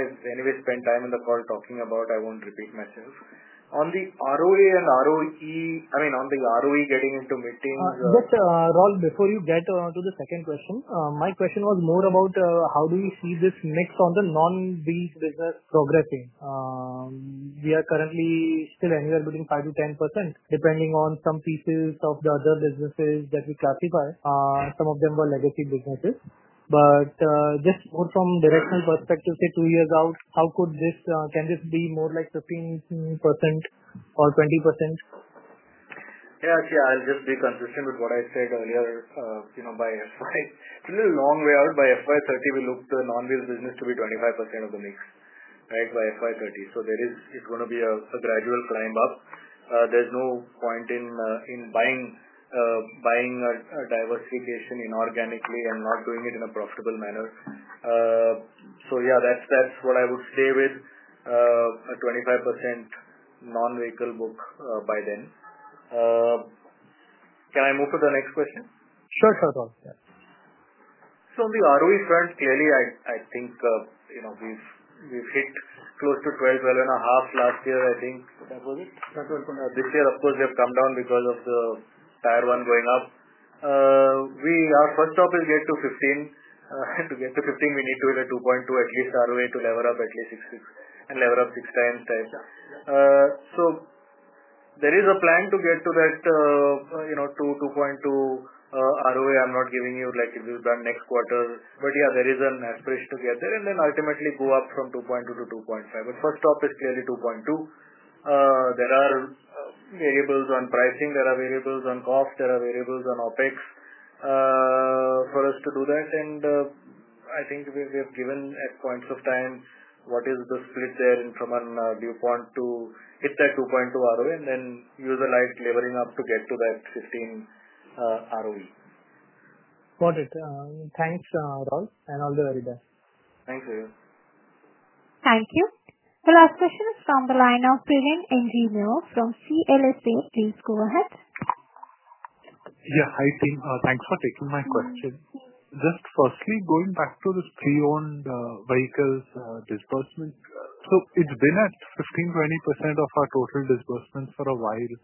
spent time in the call talking about, I won't repeat myself on the ROA and ROE. I mean on the ROE getting into. Raul, before you get to the second question, my question was more about how do we see this mix on the non-vehicle business progressing. We are currently still anywhere between 5%-10% depending on some pieces of the other businesses that we classify. Some of them were legacy businesses, but just from a directional perspective, say two years out, how could this be? Can this be more like 15% or 20%? Yeah, I'll just be consistent with what I said earlier. By FY, it's a little long way out. By FY2030, we look at the non-vehicle business to be 25% of the mix by FY2030. It is going to be a gradual climb up. There's no point in buying a diversification inorganically and not doing it in a profitable manner. That's what I would stay with, a 25% non-vehicle book by then. Can I move to the next question? Sure. On the ROE front, clearly I think we've hit close to 12, 12.5 last year. I think this year, of course, they have come down because of the Tier-1 going up. Our first stop will get to 15, and to get to 15 we need to hit a 2.2 at least ROA to level up at least six, six and level up six times. There is a plan to get to that, you know, 2.2 ROA. I'm not giving you like it will be done next quarter, but yeah, there is an aspiration to get there and then ultimately go up from 2.2 to 2.5. First stop is clearly 2.2. There are variables on pricing, there are variables on cost, there are variables on OpEx for us to do that, and I think we have given at points of time what is the split there, and from a DuPont to hit that 2.2 ROE and then user like laboring up to get to that 15 ROE. Got it. Thanks, Raul, and all the very best. Thanks again. Thank you. The last question is from the line of [Priint Enjino] from CLSA. Please go ahead. Yeah. Hi team, thanks for taking my question. Just firstly, going back to this pre-owned vehicle disbursement, it's been at 15%-20% of our total disbursements for a while,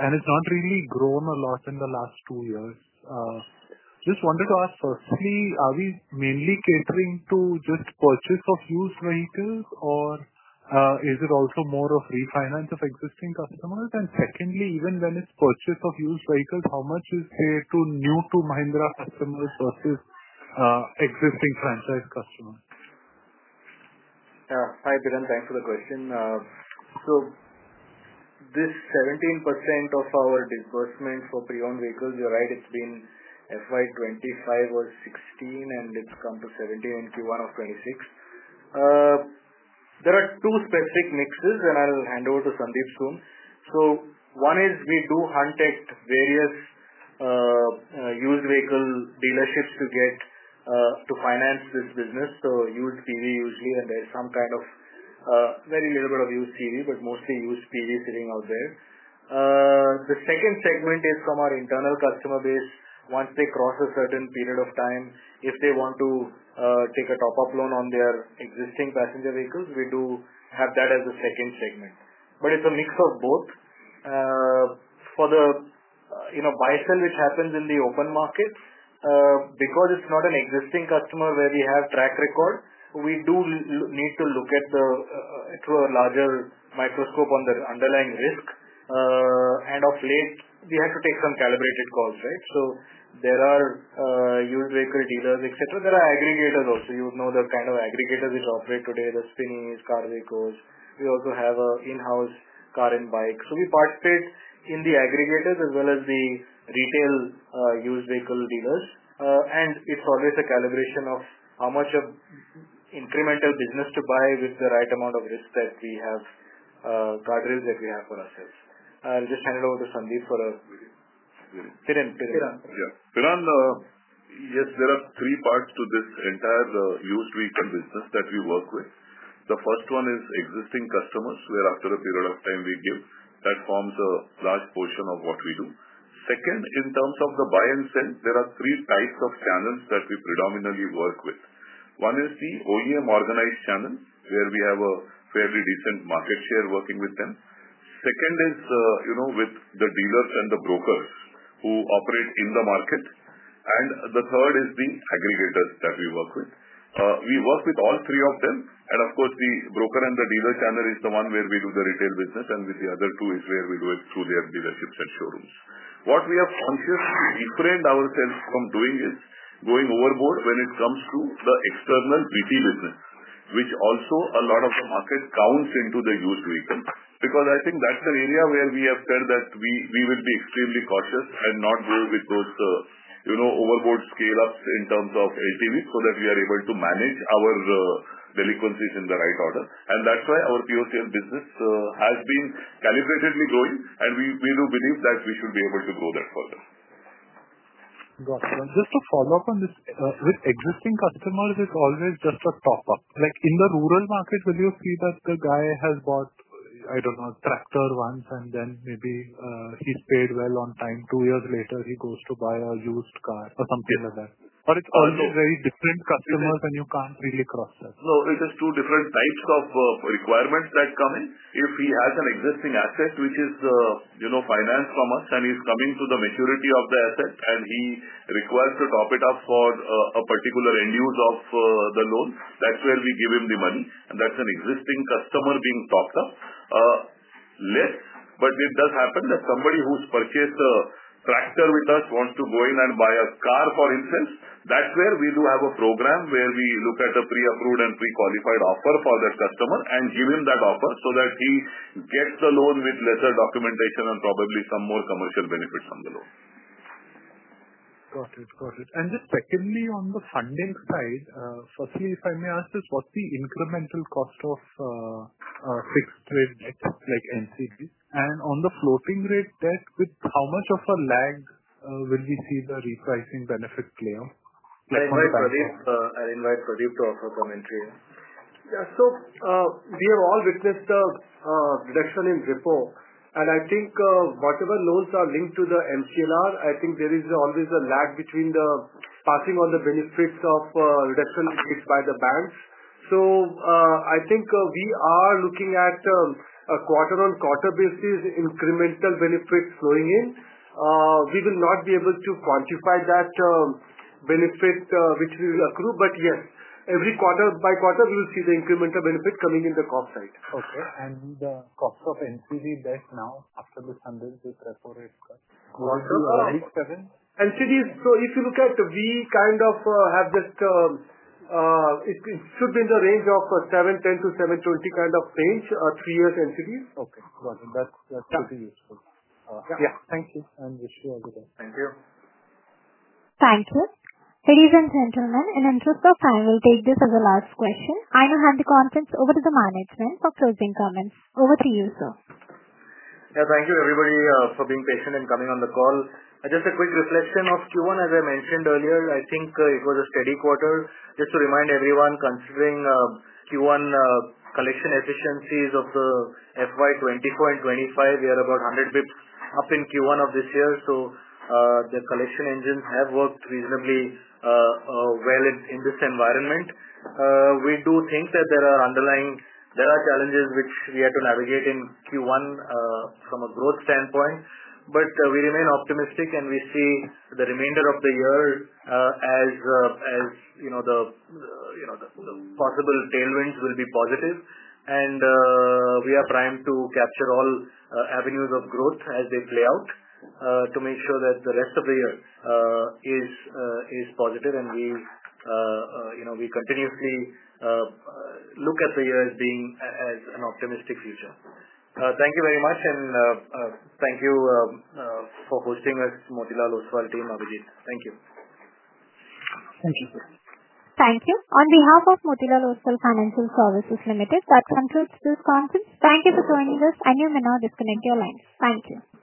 and it's not really grown a lot in the last two years. Just wanted to ask, firstly, are we mainly catering to just purchase of used vehicles, or is it also more of refinance of existing customers? Secondly, even when it's purchase of used vehicles, how much is, say, to new-to-Mahindra customers versus existing franchise customers? Hi Bhiran, thanks for the question. This 17% of our disbursement for pre-owned vehicles, you're right, it's been FY25 or 16 and it's come to 17 in Q1 of 26. There are two specific mixes and I'll hand over to Sandeep soon. One is we do hunt at various used vehicle dealerships to get to finance this business. Used PV usually, and there's some kind of very little bit of used CV, but mostly used PV sitting out there. The second segment is from our internal customer base. Once they cross a certain period of time, if they want to take a top-up loan on their existing passenger vehicles, we do have that as the second segment, but it's a mix of both. For the buy-sell which happens in the open market, because it's not an existing customer where we have track record, we do need to look at it through a larger microscope on the underlying risk, and of late we have to take some calibrated calls, right? There are used vehicle dealers, etc. There are aggregators also, you know the kind of aggregators which operate today, the Spinny, Carveco. We also have an in-house car and bike. We participate in the aggregators as well as the retail used vehicle dealers. It's always a calibration of how much of incremental business to buy with the right amount of risk that we have guardrails that we have for ourselves. I'll just hand it over to Sandeep for a piran. Yes. There are three parts to this entire used vehicle business that we work with. The first one is existing customers where after a period of time we give that forms a large portion of what. Second, in terms of the buy and sell, there are three types of channels that we predominantly work with. One is the OEM organized channel where we have a fairly decent market share working with them. Second is with the dealers and the brokers who operate in the market. The third is the aggregators that we work with. We work with all three of them, and of course the broker and the dealer channel is the one where we do the retail business, and with the other two is where we do it through their dealerships and showrooms. What we have consciously refrained ourselves from doing is going overboard when it comes to the external BT business, which also a lot of the market counts into the used vehicle. Because I think that's the area where. We have said that we will be extremely cautious and not go with those overboard scale ups in terms of LTV, so that we are able to manage our delinquencies in the right order. That is why our POCL business has been calibratedly growing, and we do believe that we should be able to grow that further. Just to follow up on this, with existing customers it's always just a top up. In the rural market, will you see that the guy has bought, I don't know, a tractor once and then maybe he's paid well on time, two years later he goes to buy a used car or something like that. It is also very different customers and you can't really cross sell. No, it is two different types. Requirements that come in. If he has an existing asset which is, you know, financed from us and he's coming to the maturity of the asset and he requests to top it up for a particular end use of the loan, that's where we give him the money. That's an existing customer being topped up less, but it does happen that somebody who has purchased a tractor with us wants to go in and buy a car for himself. That's where we do have a program where we look at a pre-approved and pre-qualified offer for that customer and give him that offer so that he gets the loan with lesser documentation and probably some more commercial benefits from the loan. Got it. Just secondly, on the funding side, if I may ask this, what's the incremental cost of fixed rate debt like NCDs, and on the floating rate debt, with how much of a lag will we see the repricing benefit play on? I'll invite Pradeep to offer commentary. We have all witnessed the reduction in repo, and I think whatever loans are linked to the MCLR, there is always a lag between the passing on the benefits of reduction by the banks. I think we are looking at a quarter-on-quarter basis, incremental benefits flowing in. We will not be able to quantify that benefit which will accrue. Yes, every quarter by quarter we will see the incremental benefit coming in the comp side. Okay. is the cost of NCG debt now after this hundred? If you look at it, we kind of have just it should be in the range of 7.10%-7.20% kind of range, three years NCD. Okay, got it. That's pretty useful. Yeah. Thank you and wish you all the best. Thank you. Thank you, ladies and gentlemen. In the interest of time, we'll take this as the last question. I now hand the conference over to the management for closing comments. Over to you, sir. Thank you everybody for being patient and coming on the call. Just a quick reflection of Q1, as I mentioned earlier, I think it was a steady quarter. Just to remind everyone, considering Q1 collection efficiencies of FY2024 and FY2025, we are about 100 basis points up in Q1 of this year. The collection engines have worked reasonably well in this environment. We do think that there are underlying challenges which we had to navigate in Q1 from a growth standpoint, but we remain optimistic and we see the remainder of the year as the possible tailwinds will be positive. We are primed to capture all avenues of growth as they play out to make sure that the rest of the year is positive, and we continuously look at the year as being an optimistic future. Thank you very much and thank you for hosting us. Motilal Oswal Team, Abhijit, thank you. Thank you, thank you, on behalf of Motilal Oswal Financial Services Limited. That concludes this conference. Thank you for joining us. You may now disconnect your lines. Thank you.